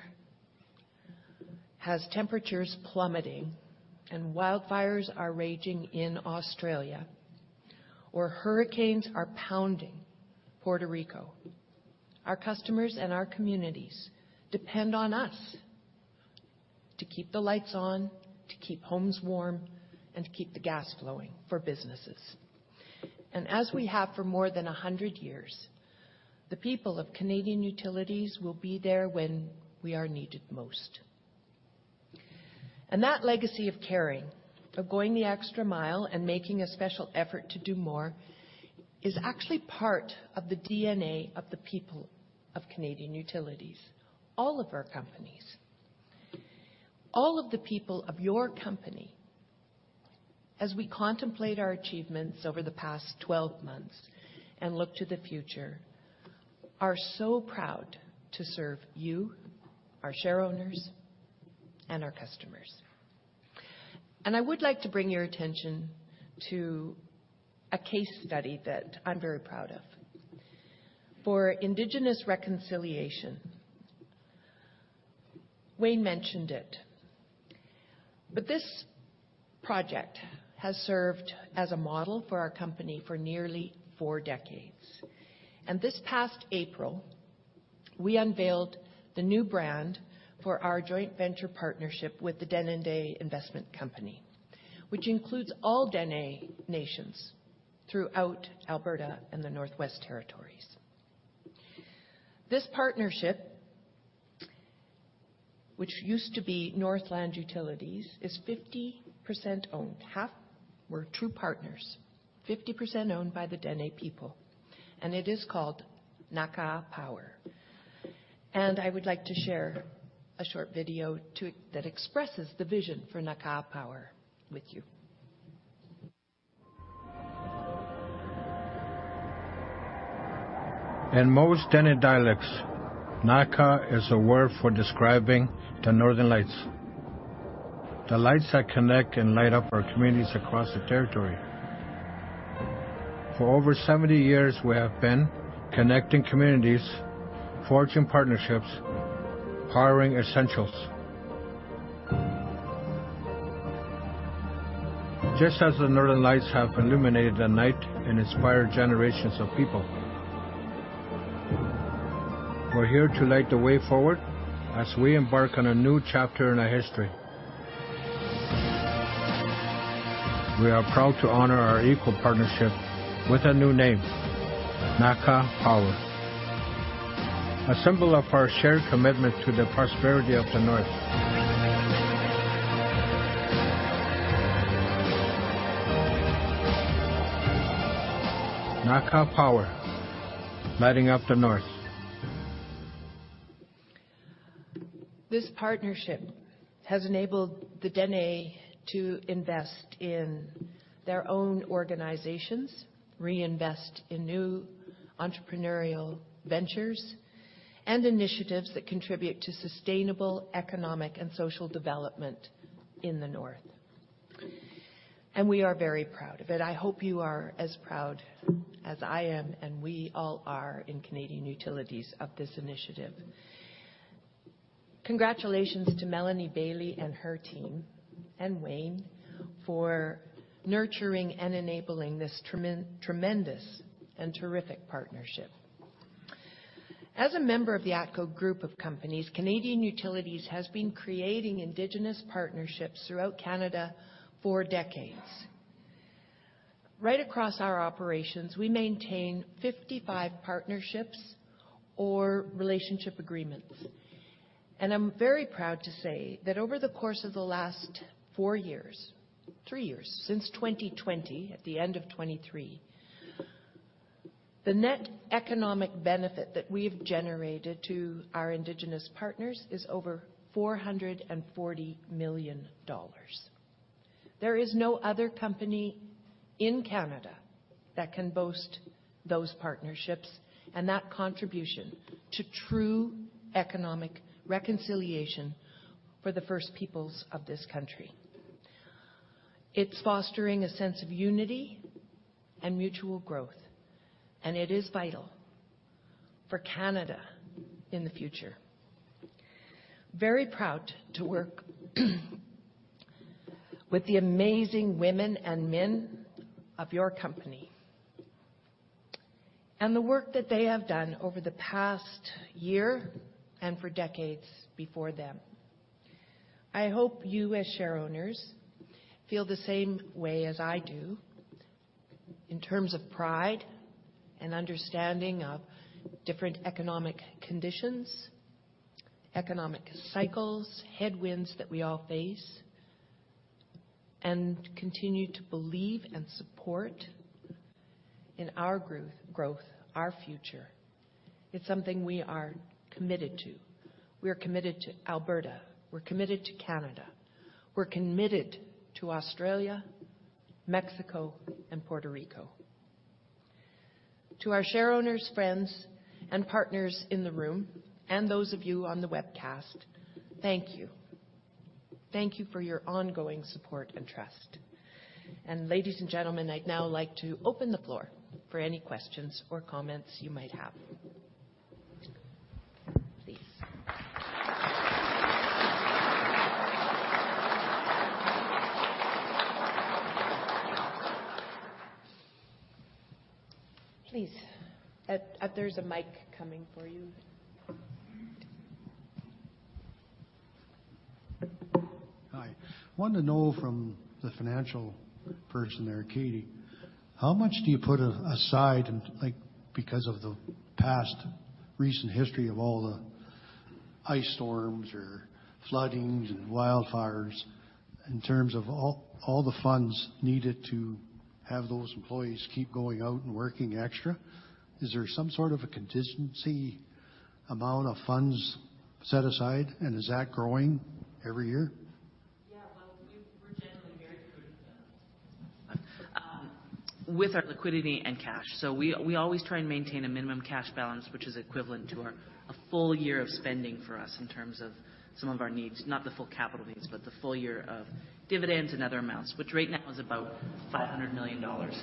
has temperatures plummeting and wildfires are raging in Australia or hurricanes are pounding Puerto Rico, our customers and our communities depend on us to keep the lights on, to keep homes warm, and to keep the gas flowing for businesses. And as we have for more than 100 years, the people of Canadian Utilities will be there when we are needed most. And that legacy of caring, of going the extra mile and making a special effort to do more is actually part of the DNA of the people of Canadian Utilities, all of our companies. All of the people of your company, as we contemplate our achievements over the past 12 months and look to the future, are so proud to serve you, our shareowners, and our customers. I would like to bring your attention to a case study that I'm very proud of. For Indigenous reconciliation, Wayne mentioned it. But this project has served as a model for our company for nearly four decades. This past April, we unveiled the new brand for our joint venture partnership with the Denendeh Investments, which includes all Dene nations throughout Alberta and the Northwest Territories. This partnership, which used to be Northland Utilities, is 50% owned. Half were true partners, 50% owned by the Denendeh people. It is called Naka Power. I would like to share a short video that expresses the vision for Naka Power with you. In most Denendeh dialects, Naka is a word for describing the Northern Lights. The lights that connect and light up our communities across the territory. For over 70 years, we have been connecting communities, forging partnerships, powering essentials. Just as the Northern Lights have illuminated the night and inspired generations of people, we're here to light the way forward as we embark on a new chapter in our history. We are proud to honour our equal partnership with a new name, Naka Power, a symbol of our shared commitment to the prosperity of the North. Naka Power, lighting up the North. This partnership has enabled the Denendeh to invest in their own organizations, reinvest in new entrepreneurial ventures and initiatives that contribute to sustainable economic and social development in the North. We are very proud of it. I hope you are as proud as I am, and we all are in Canadian Utilities of this initiative. Congratulations to Melanie Bayley and her team and Wayne for nurturing and enabling this tremendous and terrific partnership. As a member of the ATCO Group of Companies, Canadian Utilities has been creating Indigenous partnerships throughout Canada for decades. Right across our operations, we maintain 55 partnerships or relationship agreements. I'm very proud to say that over the course of the last four years, three years, since 2020, at the end of 2023, the net economic benefit that we have generated to our Indigenous partners is over 440 million dollars. There is no other company in Canada that can boast those partnerships and that contribution to true economic reconciliation for the first peoples of this country. It's fostering a sense of unity and mutual growth, and it is vital for Canada in the future. Very proud to work with the amazing women and men of your company and the work that they have done over the past year and for decades before them. I hope you, as shareowners, feel the same way as I do in terms of pride and understanding of different economic conditions, economic cycles, headwinds that we all face, and continue to believe and support in our growth, our future. It's something we are committed to. We are committed to Alberta. We're committed to Canada. We're committed to Australia, Mexico, and Puerto Rico. To our shareowners, friends, and partners in the room, and those of you on the webcast, thank you. Thank you for your ongoing support and trust. Ladies and gentlemen, I'd now like to open the floor for any questions or comments you might have. Please. Please. There's a mic coming for you. Hi. I wanted to know from the financial person there, Katie, how much do you put aside because of the past recent history of all the ice storms or floodings and wildfires in terms of all the funds needed to have those employees keep going out and working extra? Is there some sort of a contingency amount of funds set aside, and is that growing every year? Yeah. Well, we're generally very good with our liquidity and cash. So we always try and maintain a minimum cash balance, which is equivalent to a full year of spending for us in terms of some of our needs, not the full capital needs, but the full year of dividends and other amounts, which right now is about 500 million dollars.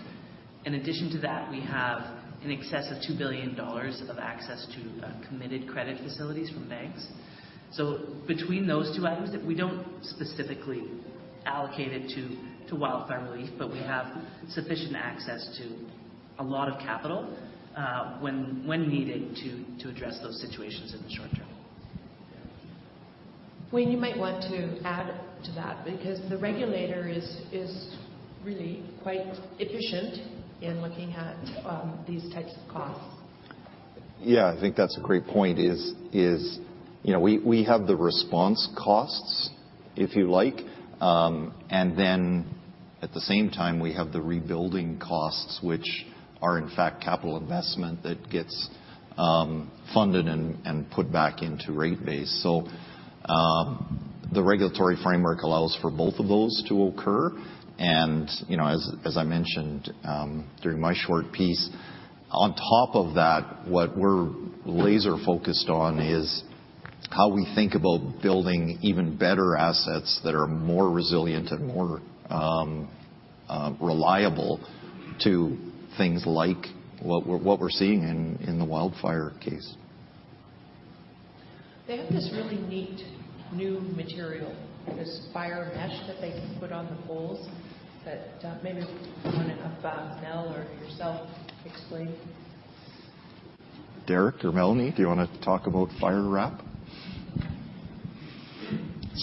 In addition to that, we have in excess of 2 billion dollars of access to committed credit facilities from banks. So between those two items, we don't specifically allocate it to wildfire relief, but we have sufficient access to a lot of capital when needed to address those situations in the short term. Wayne, you might want to add to that because the regulator is really quite efficient in looking at these types of costs. Yeah. I think that's a great point. We have the response costs, if you like. And then at the same time, we have the rebuilding costs, which are, in fact, capital investment that gets funded and put back into rate base. So the regulatory framework allows for both of those to occur. And as I mentioned during my short piece, on top of that, what we're laser-focused on is how we think about building even better assets that are more resilient and more reliable to things like what we're seeing in the wildfire case. They have this really neat new material, this Fire Mesh that they can put on the poles. Maybe you want to have Mel or yourself explain. Derek or Melanie, do you want to talk about fire wrap?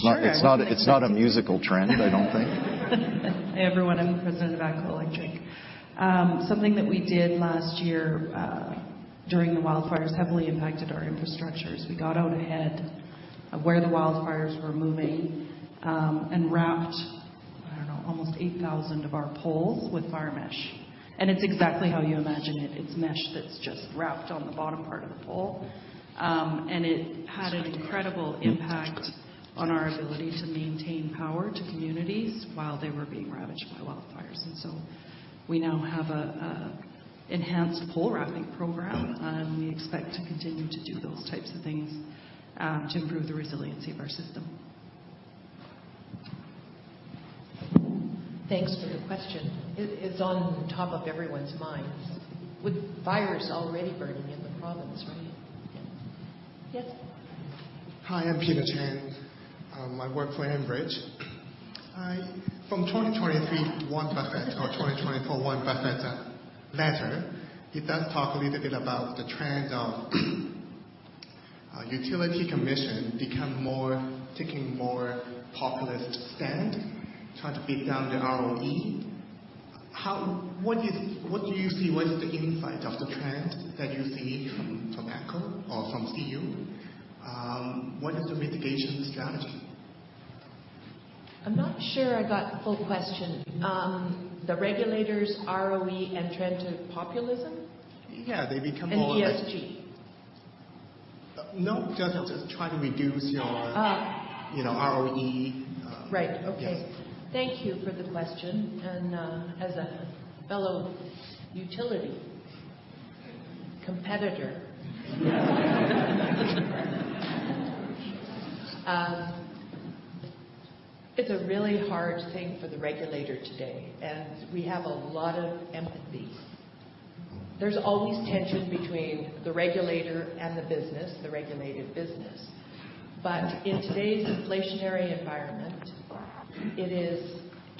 Sure. It's not a musical trend, I don't think. Hey, everyone. I'm the President of ATCO Electric. Something that we did last year during the wildfires heavily impacted our infrastructure is we got out ahead of where the wildfires were moving and wrapped, I don't know, almost 8,000 of our poles with Fire Mesh. And it's exactly how you imagine it. It's mesh that's just wrapped on the bottom part of the pole. And it had an incredible impact on our ability to maintain power to communities while they were being ravaged by wildfires. And so we now have an enhanced pole wrapping program, and we expect to continue to do those types of things to improve the resiliency of our system. Thanks for the question. It's on top of everyone's minds with fires already burning in the province, right? Yes. Hi. I'm Peter Chan. I work for Enbridge. From 2023, Warren Buffett or 2024, Warren Buffett letter, it does talk a little bit about the trend of utility commission taking more populist stand, trying to beat down the ROE. What do you see? What is the insight of the trend that you see from ATCO or from CU? What is the mitigation strategy? I'm not sure I got the full question. The regulator's ROE and trend to populism? Yeah. They become more. And ESG? No, just trying to reduce your ROE. Right. Okay. Thank you for the question. And as a fellow utility competitor, it's a really hard thing for the regulator today. And we have a lot of empathy. There's always tension between the regulator and the business, the regulated business. But in today's inflationary environment,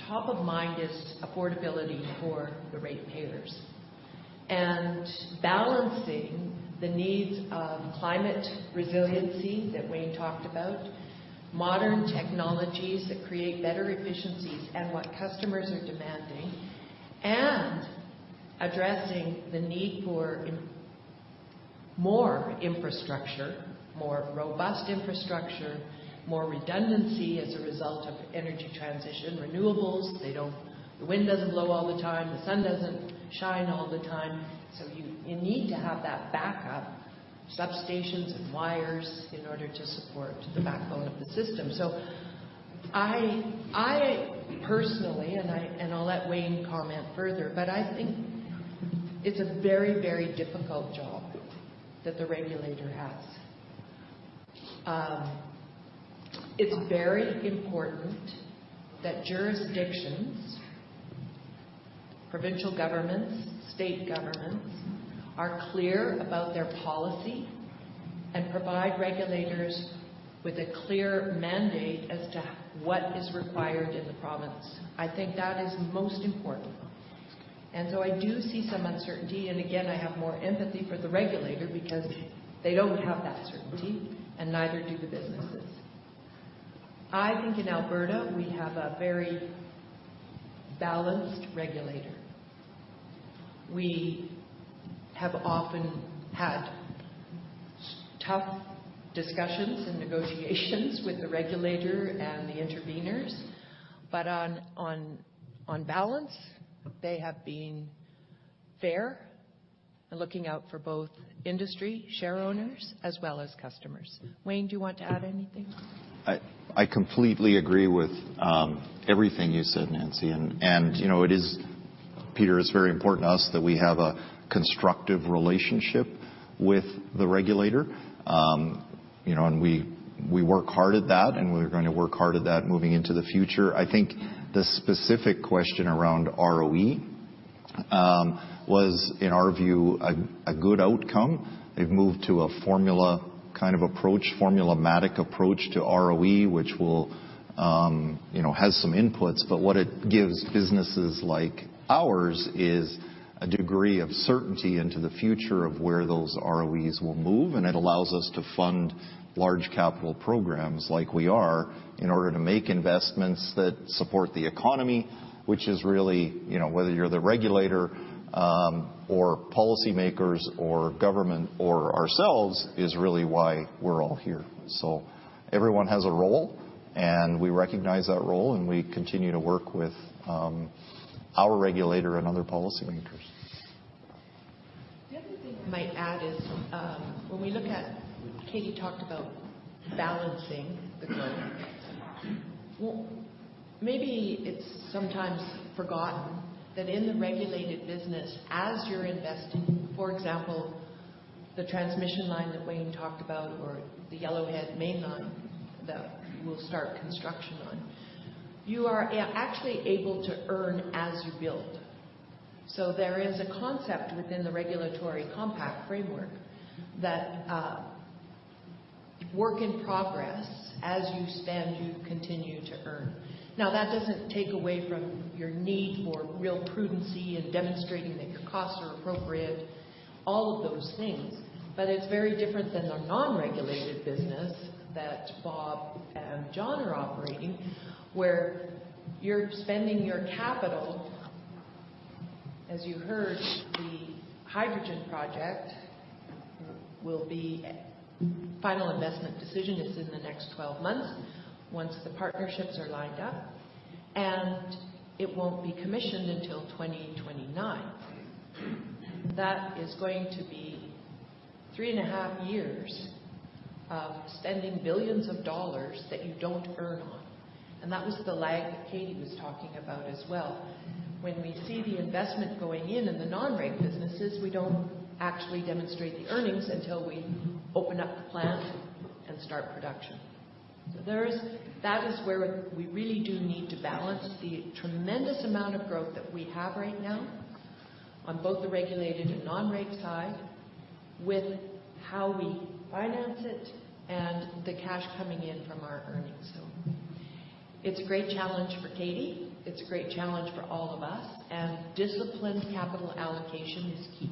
top of mind is affordability for the ratepayers and balancing the needs of climate resiliency that Wayne talked about, modern technologies that create better efficiencies and what customers are demanding, and addressing the need for more infrastructure, more robust infrastructure, more redundancy as a result of energy transition, renewables. The wind doesn't blow all the time. The sun doesn't shine all the time. So you need to have that backup, substations and wires, in order to support the backbone of the system. So I personally, and I'll let Wayne comment further, but I think it's a very, very difficult job that the regulator has. It's very important that jurisdictions, provincial governments, state governments, are clear about their policy and provide regulators with a clear mandate as to what is required in the province. I think that is most important. And so I do see some uncertainty. And again, I have more empathy for the regulator because they don't have that certainty, and neither do the businesses. I think in Alberta, we have a very balanced regulator. We have often had tough discussions and negotiations with the regulator and the intervenors. But on balance, they have been fair and looking out for both industry shareowners as well as customers. Wayne, do you want to add anything? I completely agree with everything you said, Nancy. It is, Peter, very important to us that we have a constructive relationship with the regulator. We work hard at that, and we're going to work hard at that moving into the future. I think the specific question around ROE was, in our view, a good outcome. They've moved to a formula kind of approach, formulaic approach to ROE, which has some inputs. But what it gives businesses like ours is a degree of certainty into the future of where those ROEs will move. It allows us to fund large capital programs like we are in order to make investments that support the economy, which is really whether you're the regulator or policymakers or government or ourselves is really why we're all here. Everyone has a role, and we recognize that role, and we continue to work with our regulator and other policymakers. The other thing I might add is when we look at Katie talked about balancing the growth. Maybe it's sometimes forgotten that in the regulated business, as you're investing, for example, the transmission line that Wayne talked about or the Yellowhead Mainline that we'll start construction on, you are actually able to earn as you build. So there is a concept within the regulatory compact framework that work in progress, as you spend, you continue to earn. Now, that doesn't take away from your need for real prudency and demonstrating that your costs are appropriate, all of those things. But it's very different than the non-regulated business that Bob and John are operating, where you're spending your capital. As you heard, the hydrogen project will be final investment decision is in the next 12 months once the partnerships are lined up. And it won't be commissioned until 2029. That is going to be 3.5 years of spending billions of CAD that you don't earn on. And that was the lag that Katie was talking about as well. When we see the investment going in in the non-rate businesses, we don't actually demonstrate the earnings until we open up the plant and start production. So that is where we really do need to balance the tremendous amount of growth that we have right now on both the regulated and non-rate side with how we finance it and the cash coming in from our earnings. So it's a great challenge for Katie. It's a great challenge for all of us. And disciplined capital allocation is key.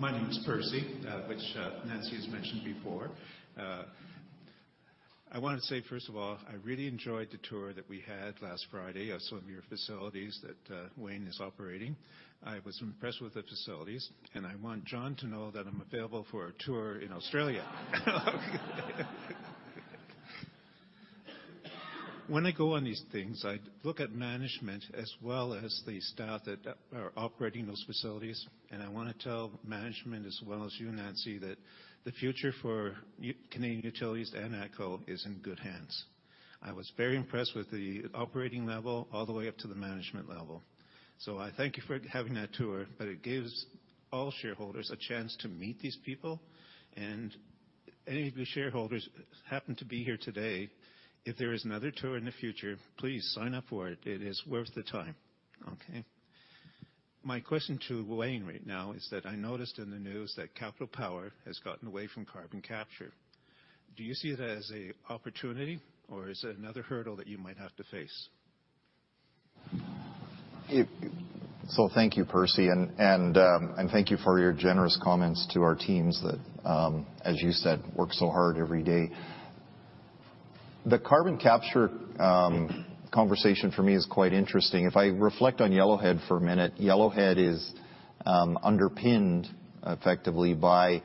Hi. My name is Percy, which Nancy has mentioned before. I want to say, first of all, I really enjoyed the tour that we had last Friday of some of your facilities that Wayne is operating. I was impressed with the facilities. I want John to know that I'm available for a tour in Australia. When I go on these things, I look at management as well as the staff that are operating those facilities. I want to tell management as well as you, Nancy, that the future for Canadian Utilities and ATCO is in good hands. I was very impressed with the operating level all the way up to the management level. I thank you for having that tour. It gives all shareholders a chance to meet these people. Any of you shareholders who happen to be here today, if there is another tour in the future, please sign up for it. It is worth the time, okay? My question to Wayne right now is that I noticed in the news that Capital Power has gotten away from carbon capture. Do you see that as an opportunity, or is it another hurdle that you might have to face? Thank you, Percy. Thank you for your generous comments to our teams that, as you said, work so hard every day. The carbon capture conversation for me is quite interesting. If I reflect on Yellowhead for a minute, Yellowhead is underpinned, effectively, by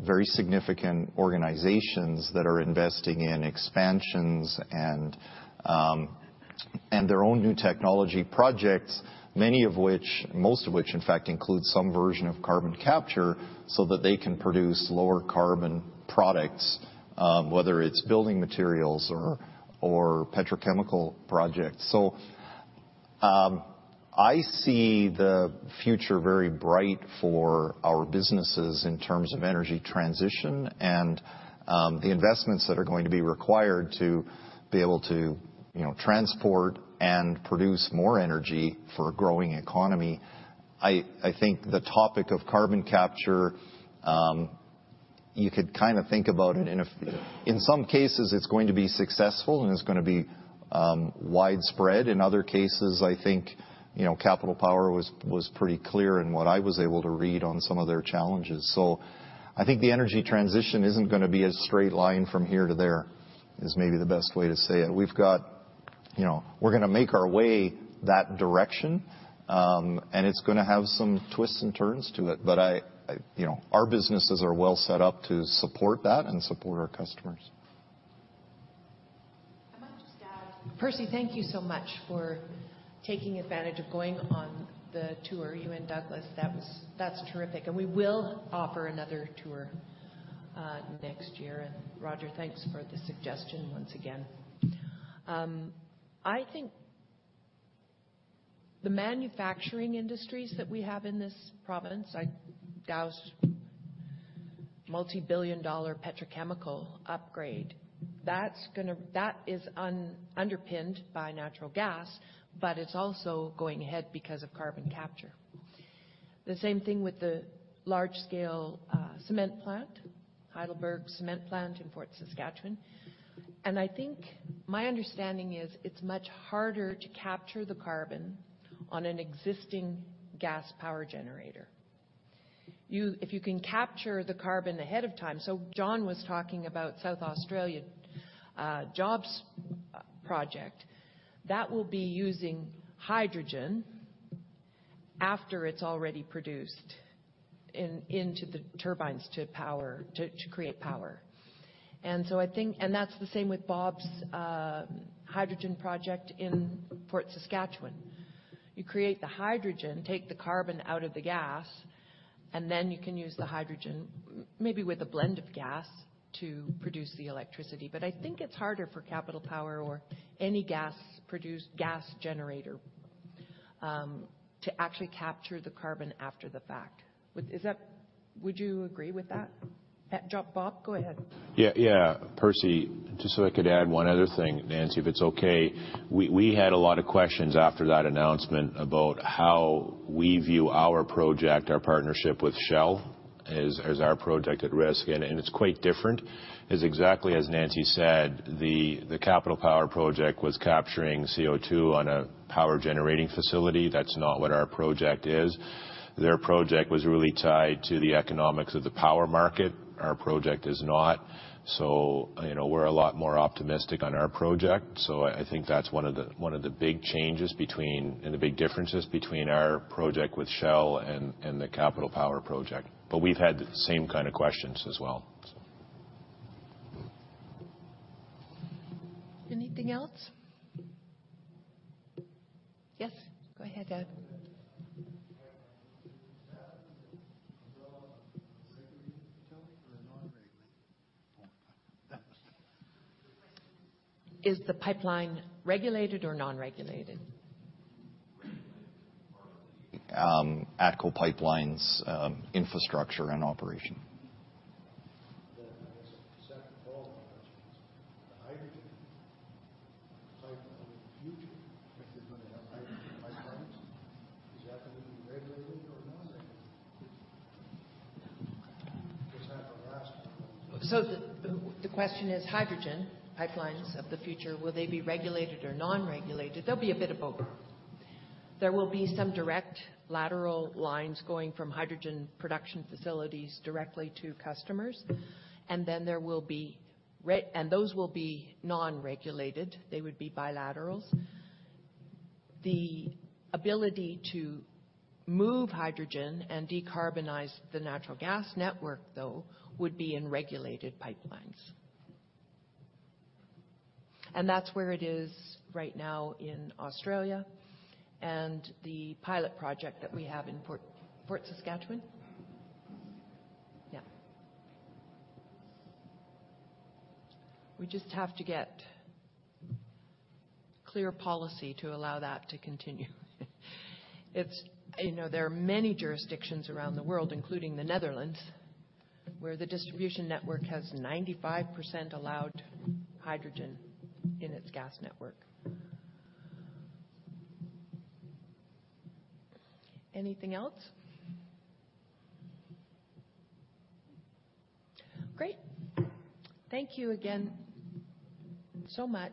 very significant organizations that are investing in expansions and their own new technology projects, many of which, most of which, in fact, include some version of carbon capture so that they can produce lower carbon products, whether it's building materials or petrochemical projects. I see the future very bright for our businesses in terms of energy transition and the investments that are going to be required to be able to transport and produce more energy for a growing economy. I think the topic of carbon capture, you could kind of think about it in some cases, it's going to be successful and it's going to be widespread. In other cases, I think Capital Power was pretty clear in what I was able to read on some of their challenges. I think the energy transition isn't going to be a straight line from here to there is maybe the best way to say it. We're going to make our way that direction, and it's going to have some twists and turns to it. But our businesses are well set up to support that and support our customers. I might just add, Percy, thank you so much for taking advantage of going on the tour, you and Douglas. That's terrific. We will offer another tour next year. Roger, thanks for the suggestion once again. I think the manufacturing industries that we have in this province, Dow's multibillion-dollar petrochemical upgrade, that is underpinned by natural gas, but it's also going ahead because of carbon capture. The same thing with the large-scale cement plant, Heidelberg Materials cement plant in Fort Saskatchewan. I think my understanding is it's much harder to capture the carbon on an existing gas power generator. If you can capture the carbon ahead of time, so John was talking about Hydrogen Jobs Plan. That will be using hydrogen after it's already produced into the turbines to create power. That's the same with Bob's hydrogen project in Fort Saskatchewan. You create the hydrogen, take the carbon out of the gas, and then you can use the hydrogen, maybe with a blend of gas, to produce the electricity. But I think it's harder for Capital Power or any gas generator to actually capture the carbon after the fact. Would you agree with that? Bob, go ahead. Yeah. Yeah. Percy, just so I could add one other thing, Nancy, if it's okay, we had a lot of questions after that announcement about how we view our project, our partnership with Shell, as our project at risk. And it's quite different. As exactly as Nancy said, the Capital Power project was capturing CO2 on a power-generating facility. That's not what our project is. Their project was really tied to the economics of the power market. Our project is not. So we're a lot more optimistic on our project. So I think that's one of the big changes and the big differences between our project with Shell and the Capital Power project. But we've had the same kind of questions as well, so. Anything else? Yes, go ahead, Dad. Is the pipeline regulated or non-regulated? Regulated as part of the ATCO Pipelines' infrastructure and operation. So the question is, hydrogen pipelines of the future: will they be regulated or non-regulated? There'll be a bit of both. There will be some direct lateral lines going from hydrogen production facilities directly to customers. And then there will be, and those will be non-regulated. They would be bilaterals. The ability to move hydrogen and decarbonize the natural gas network, though, would be in regulated pipelines. And that's where it is right now in Australia and the pilot project that we have in Fort Saskatchewan. Yeah. We just have to get clear policy to allow that to continue. There are many jurisdictions around the world, including the Netherlands, where the distribution network has 95% allowed hydrogen in its gas network. Anything else? Great. Thank you again so much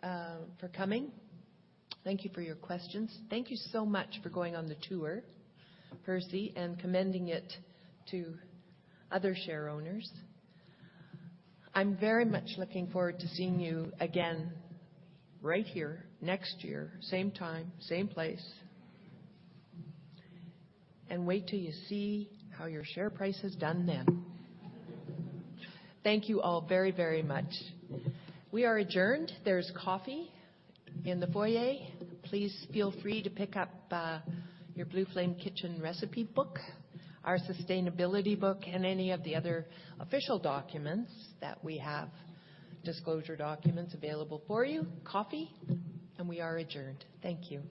for coming. Thank you for your questions. Thank you so much for going on the tour, Percy, and commending it to other shareowners. I'm very much looking forward to seeing you again right here next year, same time, same place, and wait till you see how your share price is done then. Thank you all very, very much. We are adjourned. There's coffee in the foyer. Please feel free to pick up your Blue Flame Kitchen recipe book, our sustainability book, and any of the other official documents that we have, disclosure documents, available for you. Coffee. And we are adjourned. Thank you.